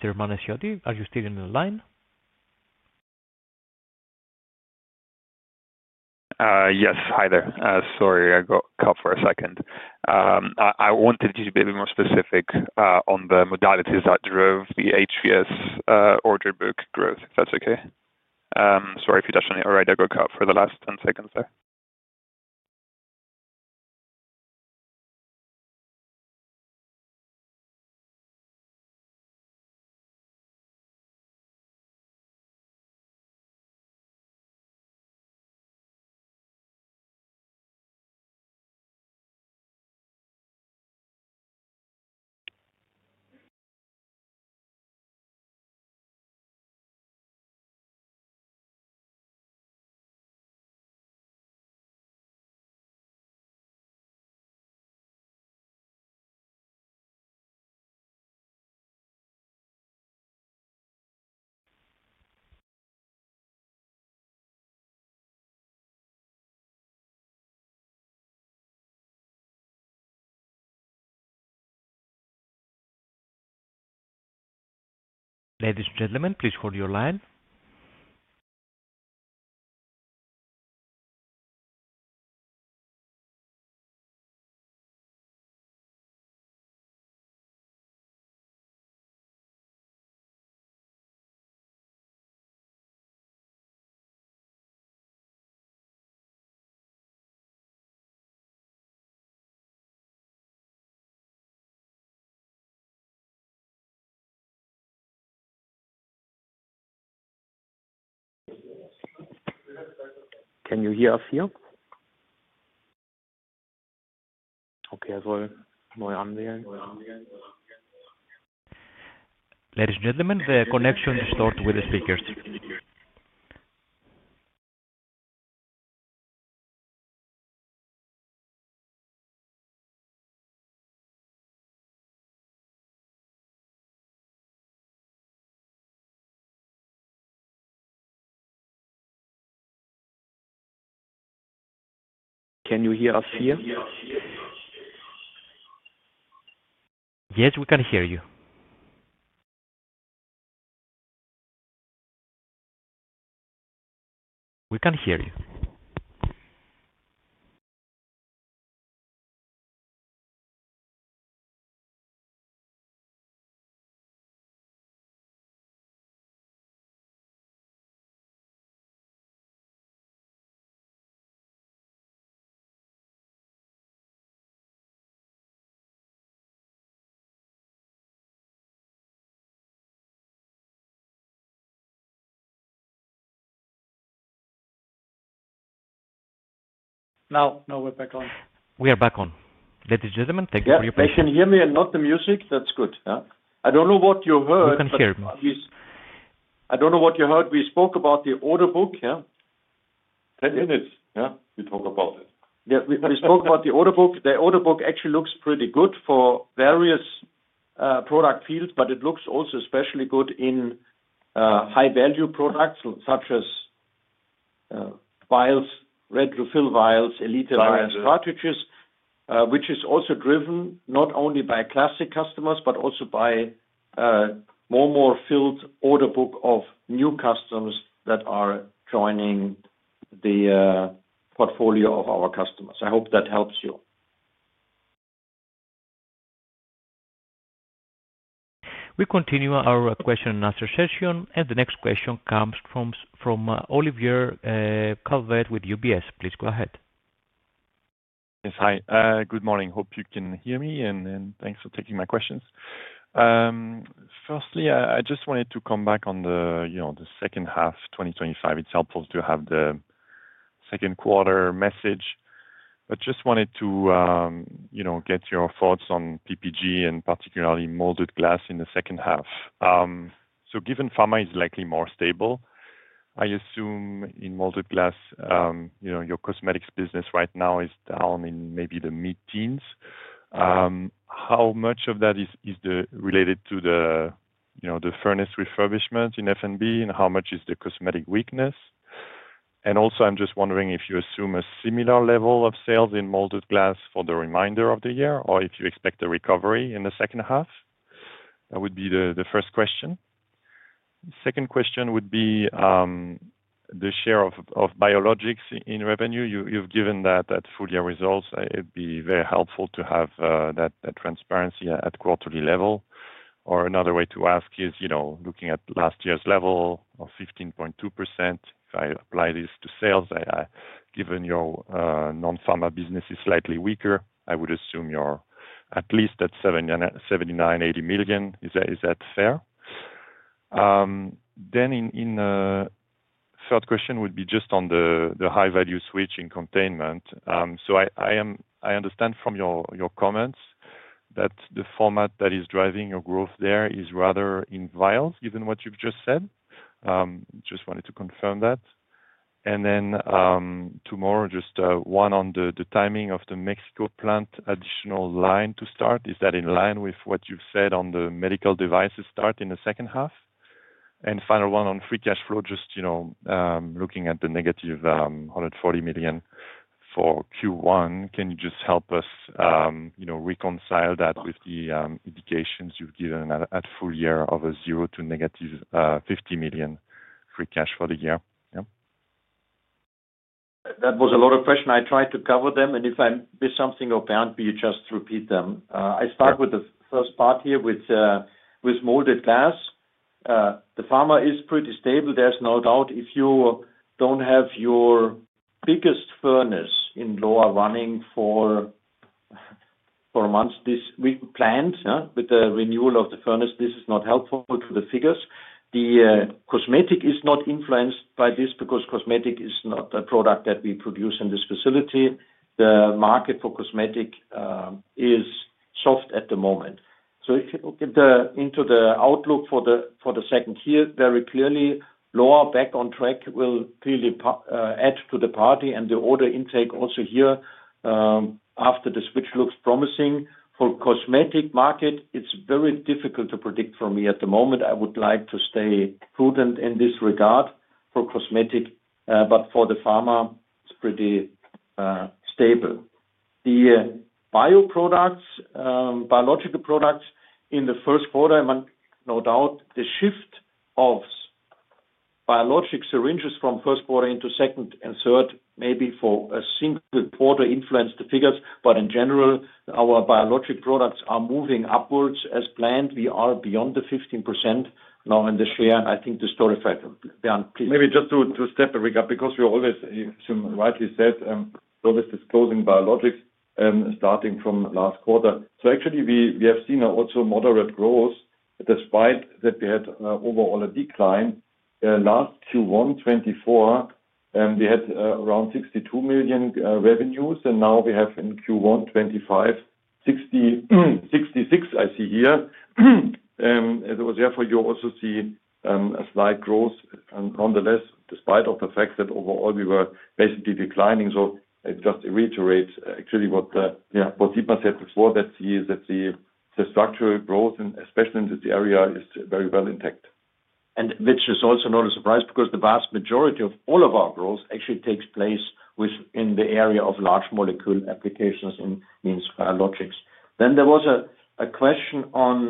Mr. Manesiotis, are you still in the line? Yes, hi there. Sorry, I got cut for a second. I wanted you to be a bit more specific on the modalities that drove the HVS order book growth, if that's okay. Sorry if you touched on it already. I got cut for the last 10 seconds there. Ladies and gentlemen, please hold your line. Can you hear us here? Okay, I'll need to nearly annex you. Ladies and gentlemen, the connection is short with the speakers. Can you hear us here? Yes, we can hear you. We can hear you. Now we're back on. We are back on. Ladies and gentlemen, thank you for your patience. Yeah, I can hear me, and not the music. That's good. I don't know what you heard. You can hear me. I don't know what you heard. We spoke about the order book, yeah? 10 minutes, yeah? We talked about it. Yeah, we spoke about the order book. The order book actually looks pretty good for various product fields, but it looks also especially good in high-value products such as vials, ready-to-fill vials, Elite vials, cartridges, which is also driven not only by classic customers but also by a more and more filled order book of new customers that are joining the portfolio of our customers. I hope that helps you. We continue our question-and-answer session. The next question comes from Olivier Calvet with UBS. Please go ahead. Yes, hi. Good morning. Hope you can hear me, and thanks for taking my questions. Firstly, I just wanted to come back on the second half, 2025. It's helpful to have the second quarter message. I just wanted to get your thoughts on PPG and particularly molded glass in the second half. Given pharma is likely more stable, I assume in molded glass, your cosmetics business right now is down in maybe the mid-teens. How much of that is related to the furnace refurbishment in F&B, and how much is the cosmetic weakness? I am just wondering if you assume a similar level of sales in molded glass for the remainder of the year or if you expect a recovery in the second half. That would be the first question. The second question would be the share of biologics in revenue. You have given that at full-year results. It would be very helpful to have that transparency at quarterly level. Another way to ask is looking at last year's level of 15.2%. If I apply this to sales, given your non-pharma business is slightly weaker, I would assume you are at least at 79 million, 80 million. Is that fair? In the third question, would be just on the high-value switch in containment. I understand from your comments that the format that is driving your growth there is rather in vials, given what you've just said. I just wanted to confirm that. Tomorrow, just one on the timing of the Mexico plant additional line to start. Is that in line with what you've said on the medical devices start in the second half? Final one on free cash flow, just looking at the negative 140 million for Q1. Can you just help us reconcile that with the indications you've given at full year of a zero to negative 50 million free cash for the year? That was a lot of questions. I tried to cover them. If there's something offhand, will you just repeat them? I start with the first part here with molded glass. The pharma is pretty stable. There's no doubt. If you don't have your biggest furnace in Lohr running for months, we planned with the renewal of the furnace. This is not helpful to the figures. The cosmetic is not influenced by this because cosmetic is not a product that we produce in this facility. The market for cosmetic is soft at the moment. Into the outlook for the second year, very clearly, Lohr back on track will clearly add to the party. The order intake also here after the switch looks promising. For cosmetic market, it's very difficult to predict for me at the moment. I would like to stay prudent in this regard for cosmetic. For the pharma, it's pretty stable. The biological products in the first quarter, no doubt, the shift of biologic syringes from first quarter into second and third maybe for a single quarter influenced the figures. In general, our biologic products are moving upwards as planned. We are beyond the 15% now in the share. I think the story factor. Bernd, please. Maybe just to step away because we always, as you rightly said, we're always disclosing biologics starting from last quarter. Actually, we have seen also moderate growth despite that we had overall a decline. Last Q1 2024, we had around 62 million revenues. Now we have in Q1 2025, 66 million, I see here. Therefore you also see a slight growth nonetheless, despite the fact that overall we were basically declining. It just reiterates actually what Dietmar said before, that the structural growth, and especially in this area, is very well intact. Which is also not a surprise because the vast majority of all of our growth actually takes place within the area of large molecule applications, in means biologics. There was a question on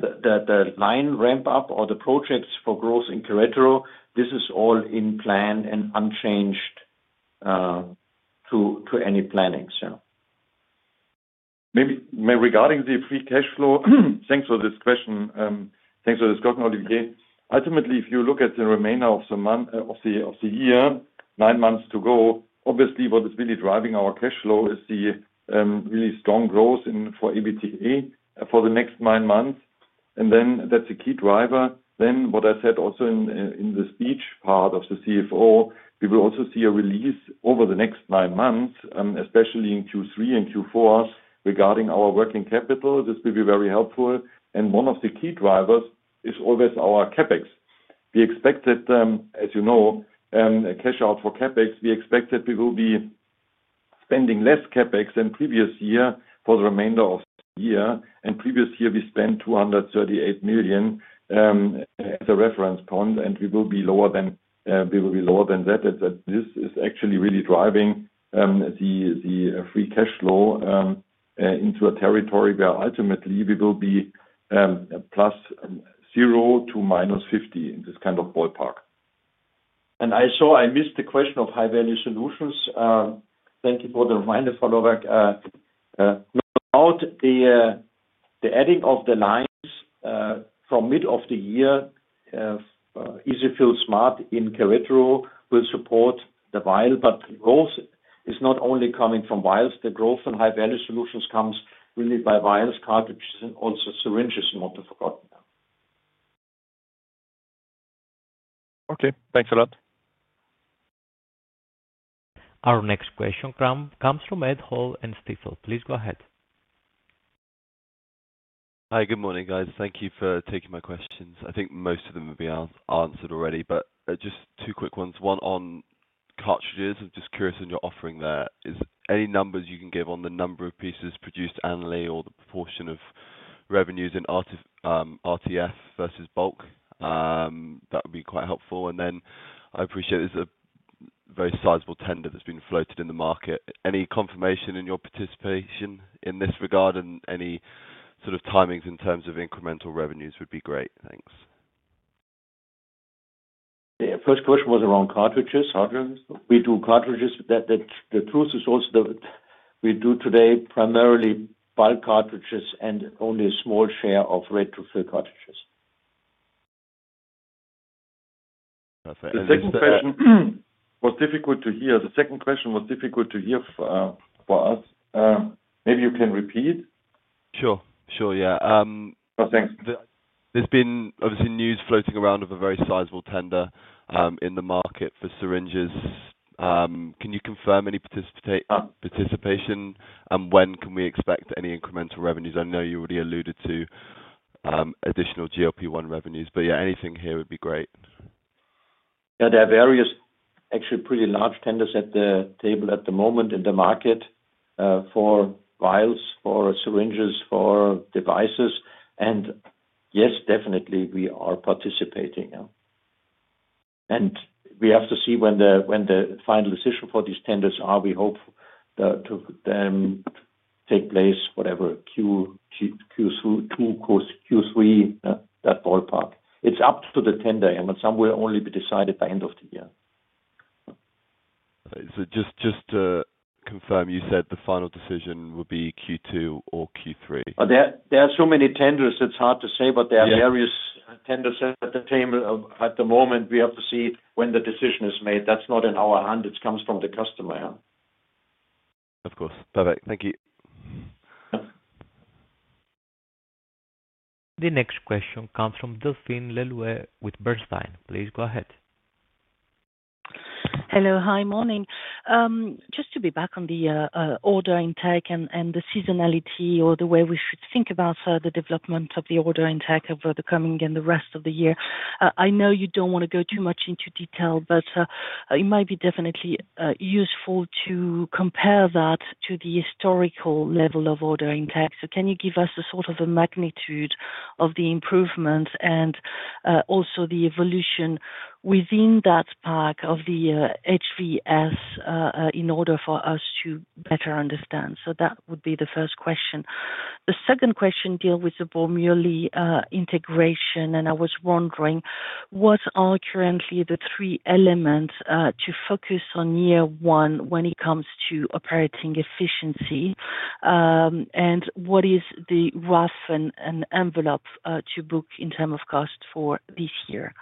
the line ramp-up or the projects for growth in Querétaro. This is all in plan and unchanged to any plannings. Regarding the free cash flow, thanks for this question. Thanks for discussing, Olivier. Ultimately, if you look at the remainder of the year, nine months to go, obviously, what is really driving our cash flow is the really strong growth for EBITDA for the next nine months. That's a key driver. What I said also in the speech part of the CFO, we will also see a release over the next nine months, especially in Q3 and Q4, regarding our working capital. This will be very helpful. One of the key drivers is always our CapEx. We expect that, as you know, cash out for CapEx, we expect that we will be spending less CapEx than previous year for the remainder of the year. Previous year, we spent 238 million as a reference point, and we will be lower than that. This is actually really driving the free cash flow into a territory where ultimately we will be +0 to -50 in this kind of ballpark. I saw I missed the question of high-value solutions. Thank you for the reminder, Olivier. No doubt, the adding of the lines from mid of the year, EZ-fill Smart in Querétaro will support the vial. Growth is not only coming from vials. The growth in high-value solutions comes really by vials, cartridges, and also syringes, not to forget. Okay. Thanks a lot. Our next question comes from Ed Hall and Stephen. Please go ahead. Hi, good morning, guys. Thank you for taking my questions. I think most of them will be answered already, but just two quick ones. One on cartridges. I'm just curious on your offering there. Is there any numbers you can give on the number of pieces produced annually or the proportion of revenues in RTF versus bulk? That would be quite helpful. I appreciate there's a very sizable tender that's been floated in the market. Any confirmation in your participation in this regard and any sort of timings in terms of incremental revenues would be great. Thanks. Yeah. First question was around cartridges. We do cartridges. The truth is also that we do today primarily buy cartridges and only a small share of ready-to-fill cartridges. The second question was difficult to hear. The second question was difficult to hear for us. Maybe you can repeat. Sure. Sure. Yeah. Thanks. There's been obviously news floating around of a very sizable tender in the market for syringes. Can you confirm any participation, and when can we expect any incremental revenues? I know you already alluded to additional GLP-1 revenues, but yeah, anything here would be great. Yeah, there are various, actually pretty large tenders at the table at the moment in the market for vials, for syringes, for devices. Yes, definitely, we are participating. We have to see when the final decision for these tenders is. We hope to take place, whatever, Q2, Q3, that ballpark. It is up to the tender. It will only be decided by end of the year. Just to confirm, you said the final decision will be Q2 or Q3. There are so many tenders. It is hard to say, but there are various tenders at the table at the moment. We have to see when the decision is made. That is not in our hands. It comes from the customer. Of course. Perfect. Thank you. The next question comes from Delphine Le Louët with Bernstein. Please go ahead. Hello. Hi, morning. Just to be back on the order intake and the seasonality or the way we should think about the development of the order intake over the coming and the rest of the year. I know you don't want to go too much into detail, but it might be definitely useful to compare that to the historical level of order intake. Can you give us a sort of a magnitude of the improvements and also the evolution within that part of the HVS in order for us to better understand? That would be the first question. The second question deals with the formula integration, and I was wondering, what are currently the three elements to focus on year one when it comes to operating efficiency? What is the rough and envelope to book in terms of cost for this year?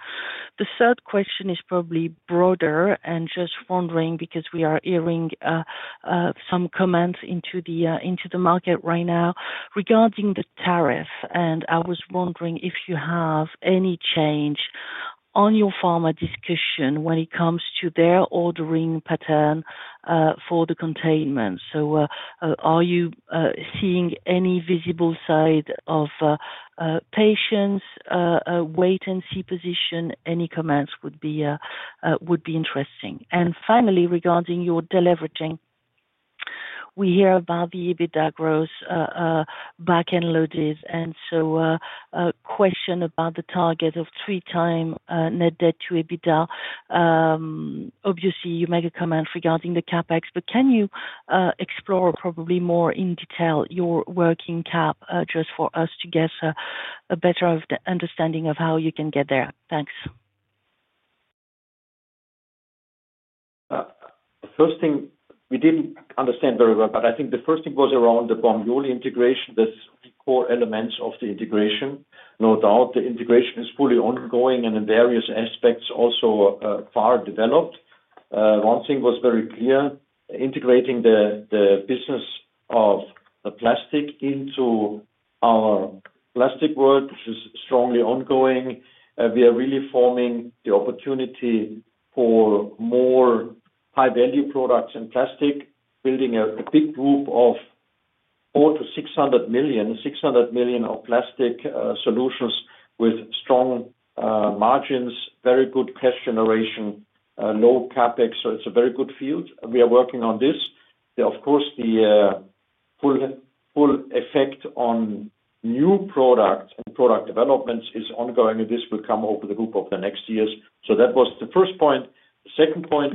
The third question is probably broader and just wondering because we are hearing some comments into the market right now regarding the tariff. I was wondering if you have any change on your pharma discussion when it comes to their ordering pattern for the containment. Are you seeing any visible sign of patience, wait-and-see position? Any comments would be interesting. Finally, regarding your delivery, we hear about the EBITDA growth, backend loaded, and question about the target of three-time net debt to EBITDA. Obviously, you make a comment regarding the CapEx, but can you explore probably more in detail your working cap just for us to get a better understanding of how you can get there? Thanks. First thing, we did not understand very well, but I think the first thing was around the Bormioli integration, the core elements of the integration. No doubt, the integration is fully ongoing and in various aspects also far developed. One thing was very clear. Integrating the business of the plastic into our plastic world, which is strongly ongoing, we are really forming the opportunity for more high-value products in plastic, building a big group of 400 million-600 million of plastic solutions with strong margins, very good cash generation, low CapEx. It is a very good field. We are working on this. Of course, the full effect on new products and product developments is ongoing, and this will come over the group of the next years. That was the first point. The second point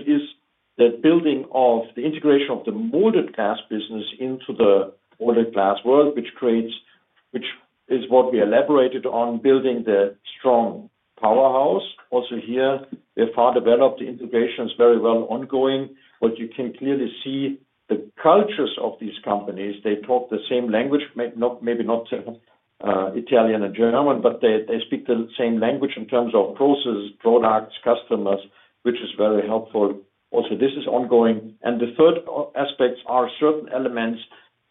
is the building of the integration of the molded glass business into the molded glass world, which is what we elaborated on building the strong powerhouse. Also here, we have far developed, the integration is very well ongoing. You can clearly see the cultures of these companies. They talk the same language, maybe not Italian and German, but they speak the same language in terms of processes, products, customers, which is very helpful. Also, this is ongoing. The third aspects are certain elements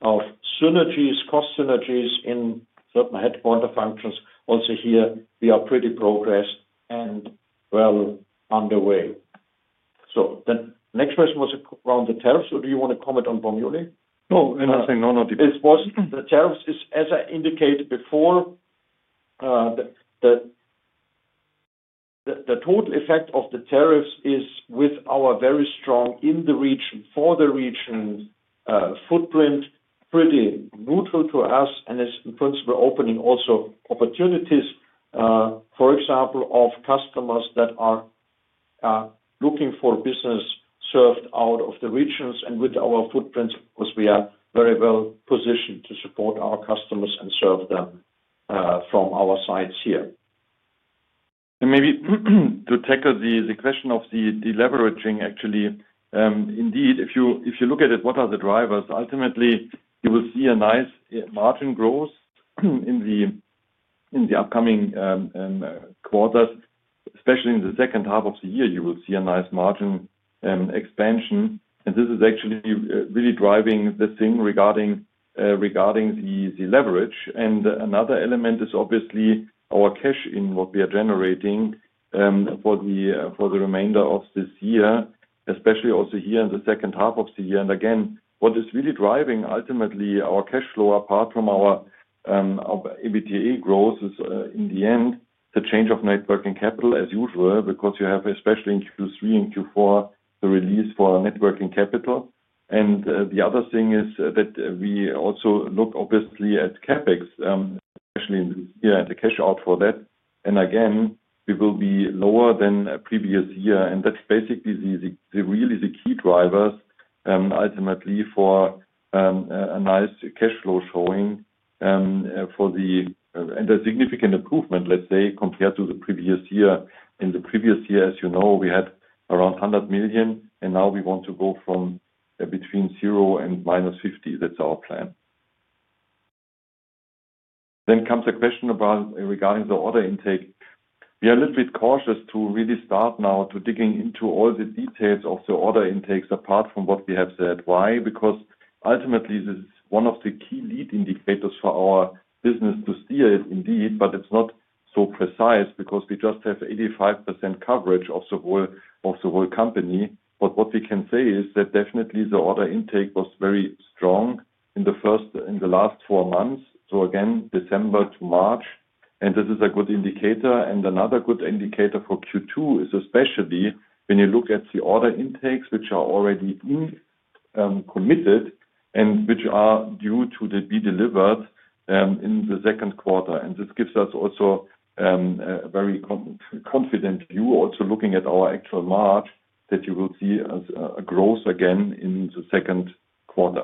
of synergies, cost synergies in certain headquarter functions. Also here, we are pretty progressed and well underway. The next question was around the tariffs. Do you want to comment on formula? No, nothing. No, not the tariffs. The tariffs, as I indicated before, the total effect of the tariffs is with our very strong in the region, for the region footprint, pretty neutral to us, and is in principle opening also opportunities, for example, of customers that are looking for business served out of the regions. With our footprints, of course, we are very well positioned to support our customers and serve them from our sites here. Maybe to tackle the question of the leveraging, actually, indeed, if you look at it, what are the drivers? Ultimately, you will see a nice margin growth in the upcoming quarters, especially in the second half of the year. You will see a nice margin expansion. This is actually really driving the thing regarding the leverage. Another element is obviously our cash in what we are generating for the remainder of this year, especially also here in the second half of the year. Again, what is really driving ultimately our cash flow apart from our EBITDA growth is, in the end, the change of networking capital, as usual, because you have especially in Q3 and Q4 the release for networking capital. The other thing is that we also look obviously at CapEx, especially in this year, and the cash out for that. It will be lower than previous year. That is basically really the key drivers ultimately for a nice cash flow showing and a significant improvement, let's say, compared to the previous year. In the previous year, as you know, we had around 100 million, and now we want to go from between zero and -50 million. That is our plan. A question comes regarding the order intake. We are a little bit cautious to really start now to dig into all the details of the order intakes apart from what we have said. Why? Because ultimately, this is one of the key lead indicators for our business to steer it, indeed, but it is not so precise because we just have 85% coverage of the whole company. What we can say is that definitely the order intake was very strong in the last four months, again, December to March. This is a good indicator. Another good indicator for Q2 is especially when you look at the order intakes, which are already committed and which are due to be delivered in the second quarter. This gives us also a very confident view, also looking at our actual March, that you will see a growth again in the second quarter.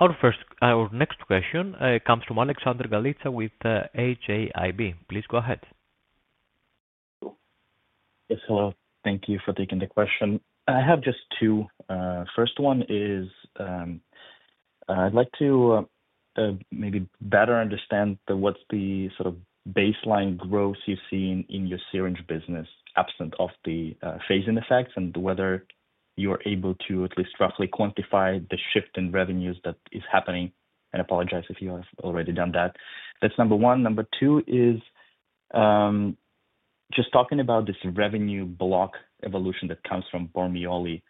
Our next question comes from Alexander Galitsa with AJIB. Please go ahead. Yes. Hello. Thank you for taking the question. I have just two. First one is I'd like to maybe better understand what's the sort of baseline growth you've seen in your syringe business, absent of the phasing effects and whether you're able to at least roughly quantify the shift in revenues that is happening. And apologize if you have already done that. That's number one. Number two is just talking about this revenue block evolution that comes from Bormioli.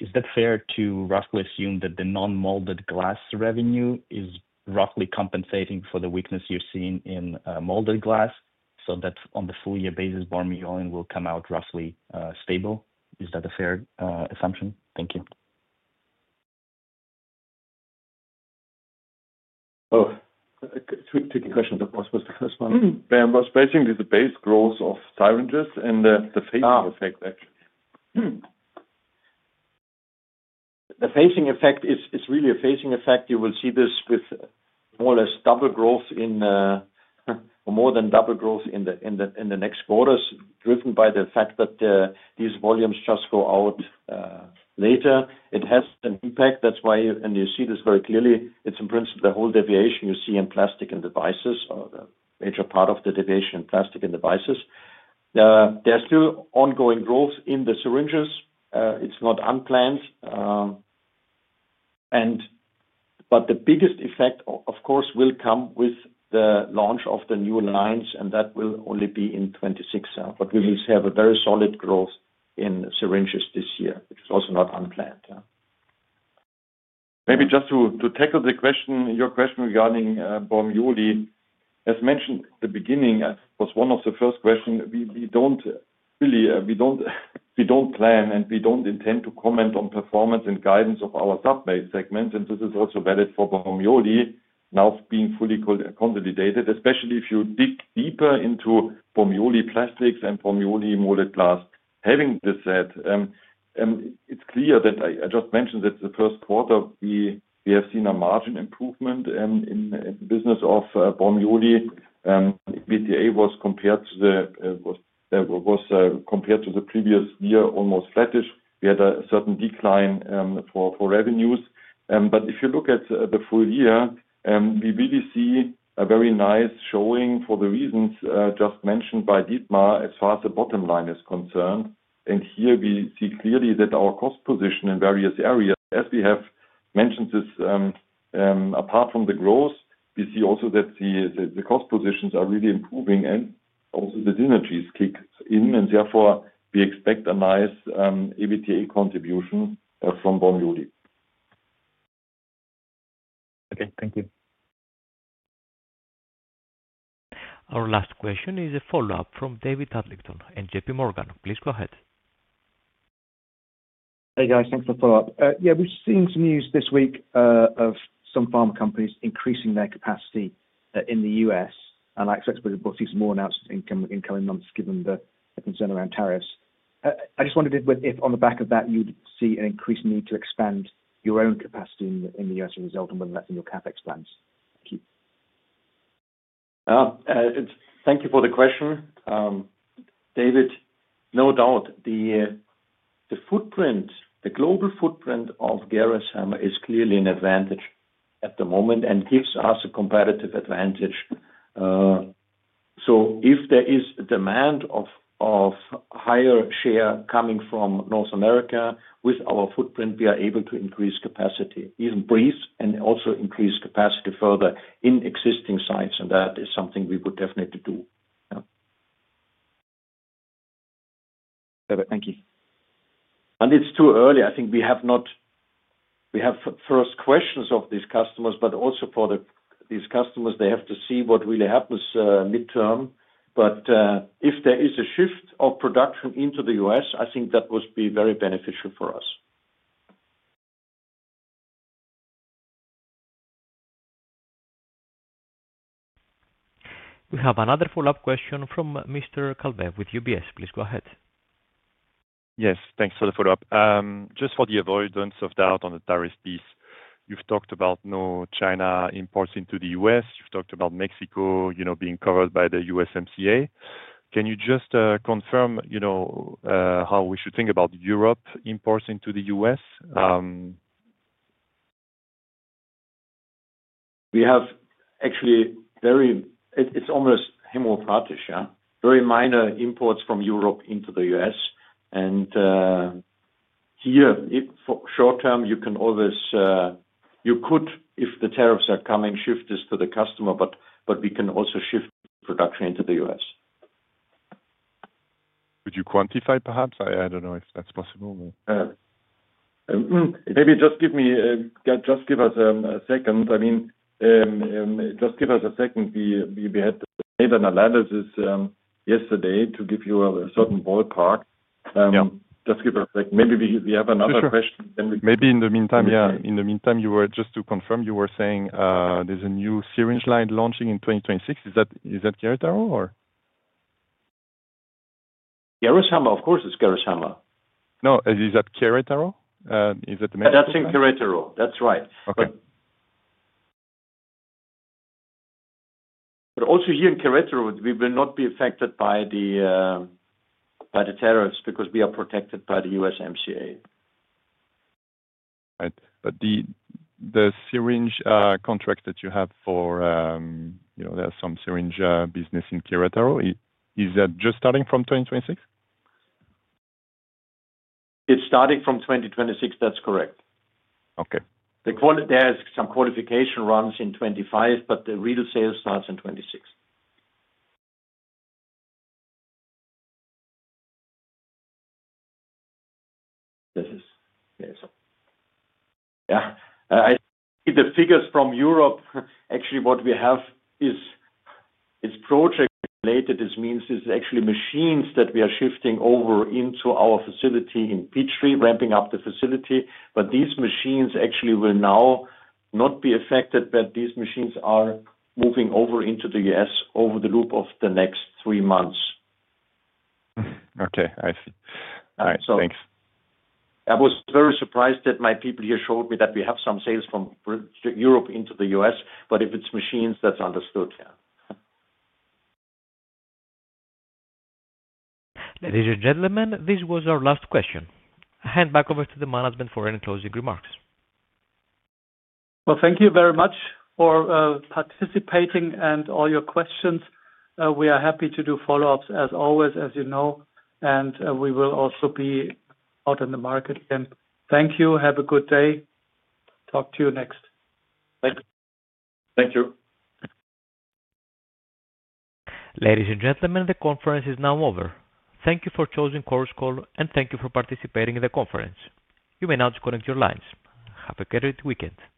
Is that fair to roughly assume that the non-molded glass revenue is roughly compensating for the weakness you're seeing in molded glass, so that on the full-year basis, Bormioli will come out roughly stable? Is that a fair assumption? Thank you. Oh, tricky question. I was supposed to respond. Basically, the base growth of syringes and the phasing effect, actually. The phasing effect is really a phasing effect. You will see this with more or less double growth in or more than double growth in the next quarters, driven by the fact that these volumes just go out later. It has an impact. That is why you see this very clearly. It is in principle the whole deviation you see in plastic and devices, or the major part of the deviation in plastic and devices. There is still ongoing growth in the syringes. It is not unplanned. The biggest effect, of course, will come with the launch of the new lines, and that will only be in 2026. We will have a very solid growth in syringes this year, which is also not unplanned. Maybe just to tackle your question regarding Bormioli, as mentioned at the beginning, it was one of the first questions. We don't plan and we don't intend to comment on performance and guidance of our sub-main segments. This is also valid for Bormioli, now being fully consolidated, especially if you dig deeper into Bormioli plastics and Bormioli molded glass. Having this said, it's clear that I just mentioned that the first quarter, we have seen a margin improvement in the business of Bormioli. EBITDA was compared to the previous year almost flattish. We had a certain decline for revenues. If you look at the full year, we really see a very nice showing for the reasons just mentioned by Dietmar as far as the bottom line is concerned. Here, we see clearly that our cost position in various areas, as we have mentioned, apart from the growth, we see also that the cost positions are really improving and also the synergies kick in. Therefore, we expect a nice EBITDA contribution from Bormioli. Okay. Thank you. Our last question is a follow-up from David Adlington at J.P. Morgan. Please go ahead. Hey, guys. Thanks for the follow-up. Yeah, we're seeing some news this week of some pharma companies increasing their capacity in the U.S. I expect we'll see some more announcements in coming months given the concern around tariffs. I just wondered if on the back of that, you would see an increased need to expand your own capacity in the U.S. as a result, and whether that's in your CapEx plans. Thank you. Thank you for the question. David, no doubt, the global footprint of Gerresheimer is clearly an advantage at the moment and gives us a competitive advantage. If there is a demand of higher share coming from North America, with our footprint, we are able to increase capacity, even brief, and also increase capacity further in existing sites. That is something we would definitely do. Perfect. Thank you. It's too early. I think we have first questions of these customers, but also for these customers, they have to see what really happens midterm. If there is a shift of production into the U.S., I think that would be very beneficial for us. We have another follow-up question from Mr. Calvet with UBS. Please go ahead. Yes. Thanks for the follow-up. Just for the avoidance of doubt on the tariff piece, you've talked about no China imports into the U.S. You've talked about Mexico being covered by the USMCA. Can you just confirm how we should think about Europe imports into the U.S.? We have actually very, it's almost immaterial, yeah? Very minor imports from Europe into the U.S. Here, short term, you can always, you could, if the tariffs are coming, shift this to the customer, but we can also shift production into the U.S. Could you quantify, perhaps? I don't know if that's possible. Maybe just give me, just give us a second. I mean, just give us a second. We had made an analysis yesterday to give you a certain ballpark. Just give us a second. Maybe we have another question, then we can. Maybe in the meantime, yeah. In the meantime, just to confirm, you were saying there's a new syringe line launching in 2026. Is that Querétaro, or? Gerresheimer, of course, it's Gerresheimer. No, is that Querétaro? Is that the manufacturer? That's in Querétaro. That's right. Also here in Querétaro, we will not be affected by the tariffs because we are protected by the USMCA. Right. The syringe contract that you have for, there is some syringe business in Querétaro. Is that just starting from 2026? It is starting from 2026. That is correct. There are some qualification runs in 2025, but the real sales start in 2026. This is, yeah. The figures from Europe, actually, what we have is project-related. This means it is actually machines that we are shifting over into our facility in Peachtree, ramping up the facility. These machines actually will now not be affected, but these machines are moving over into the U.S. over the loop of the next three months. Okay. I see. All right. Thanks. I was very surprised that my people here showed me that we have some sales from Europe into the U.S., but if it's machines, that's understood, yeah. Ladies and gentlemen, this was our last question. Hand back over to the management for any closing remarks. Thank you very much for participating and all your questions. We are happy to do follow-ups as always, as you know, and we will also be out in the market. Thank you. Have a good day. Talk to you next. Thank you. Thank you. Ladies and gentlemen, the conference is now over. Thank you for choosing Choruscall, and thank you for participating in the conference. You may now disconnect your lines. Have a great weekend. Goodbye.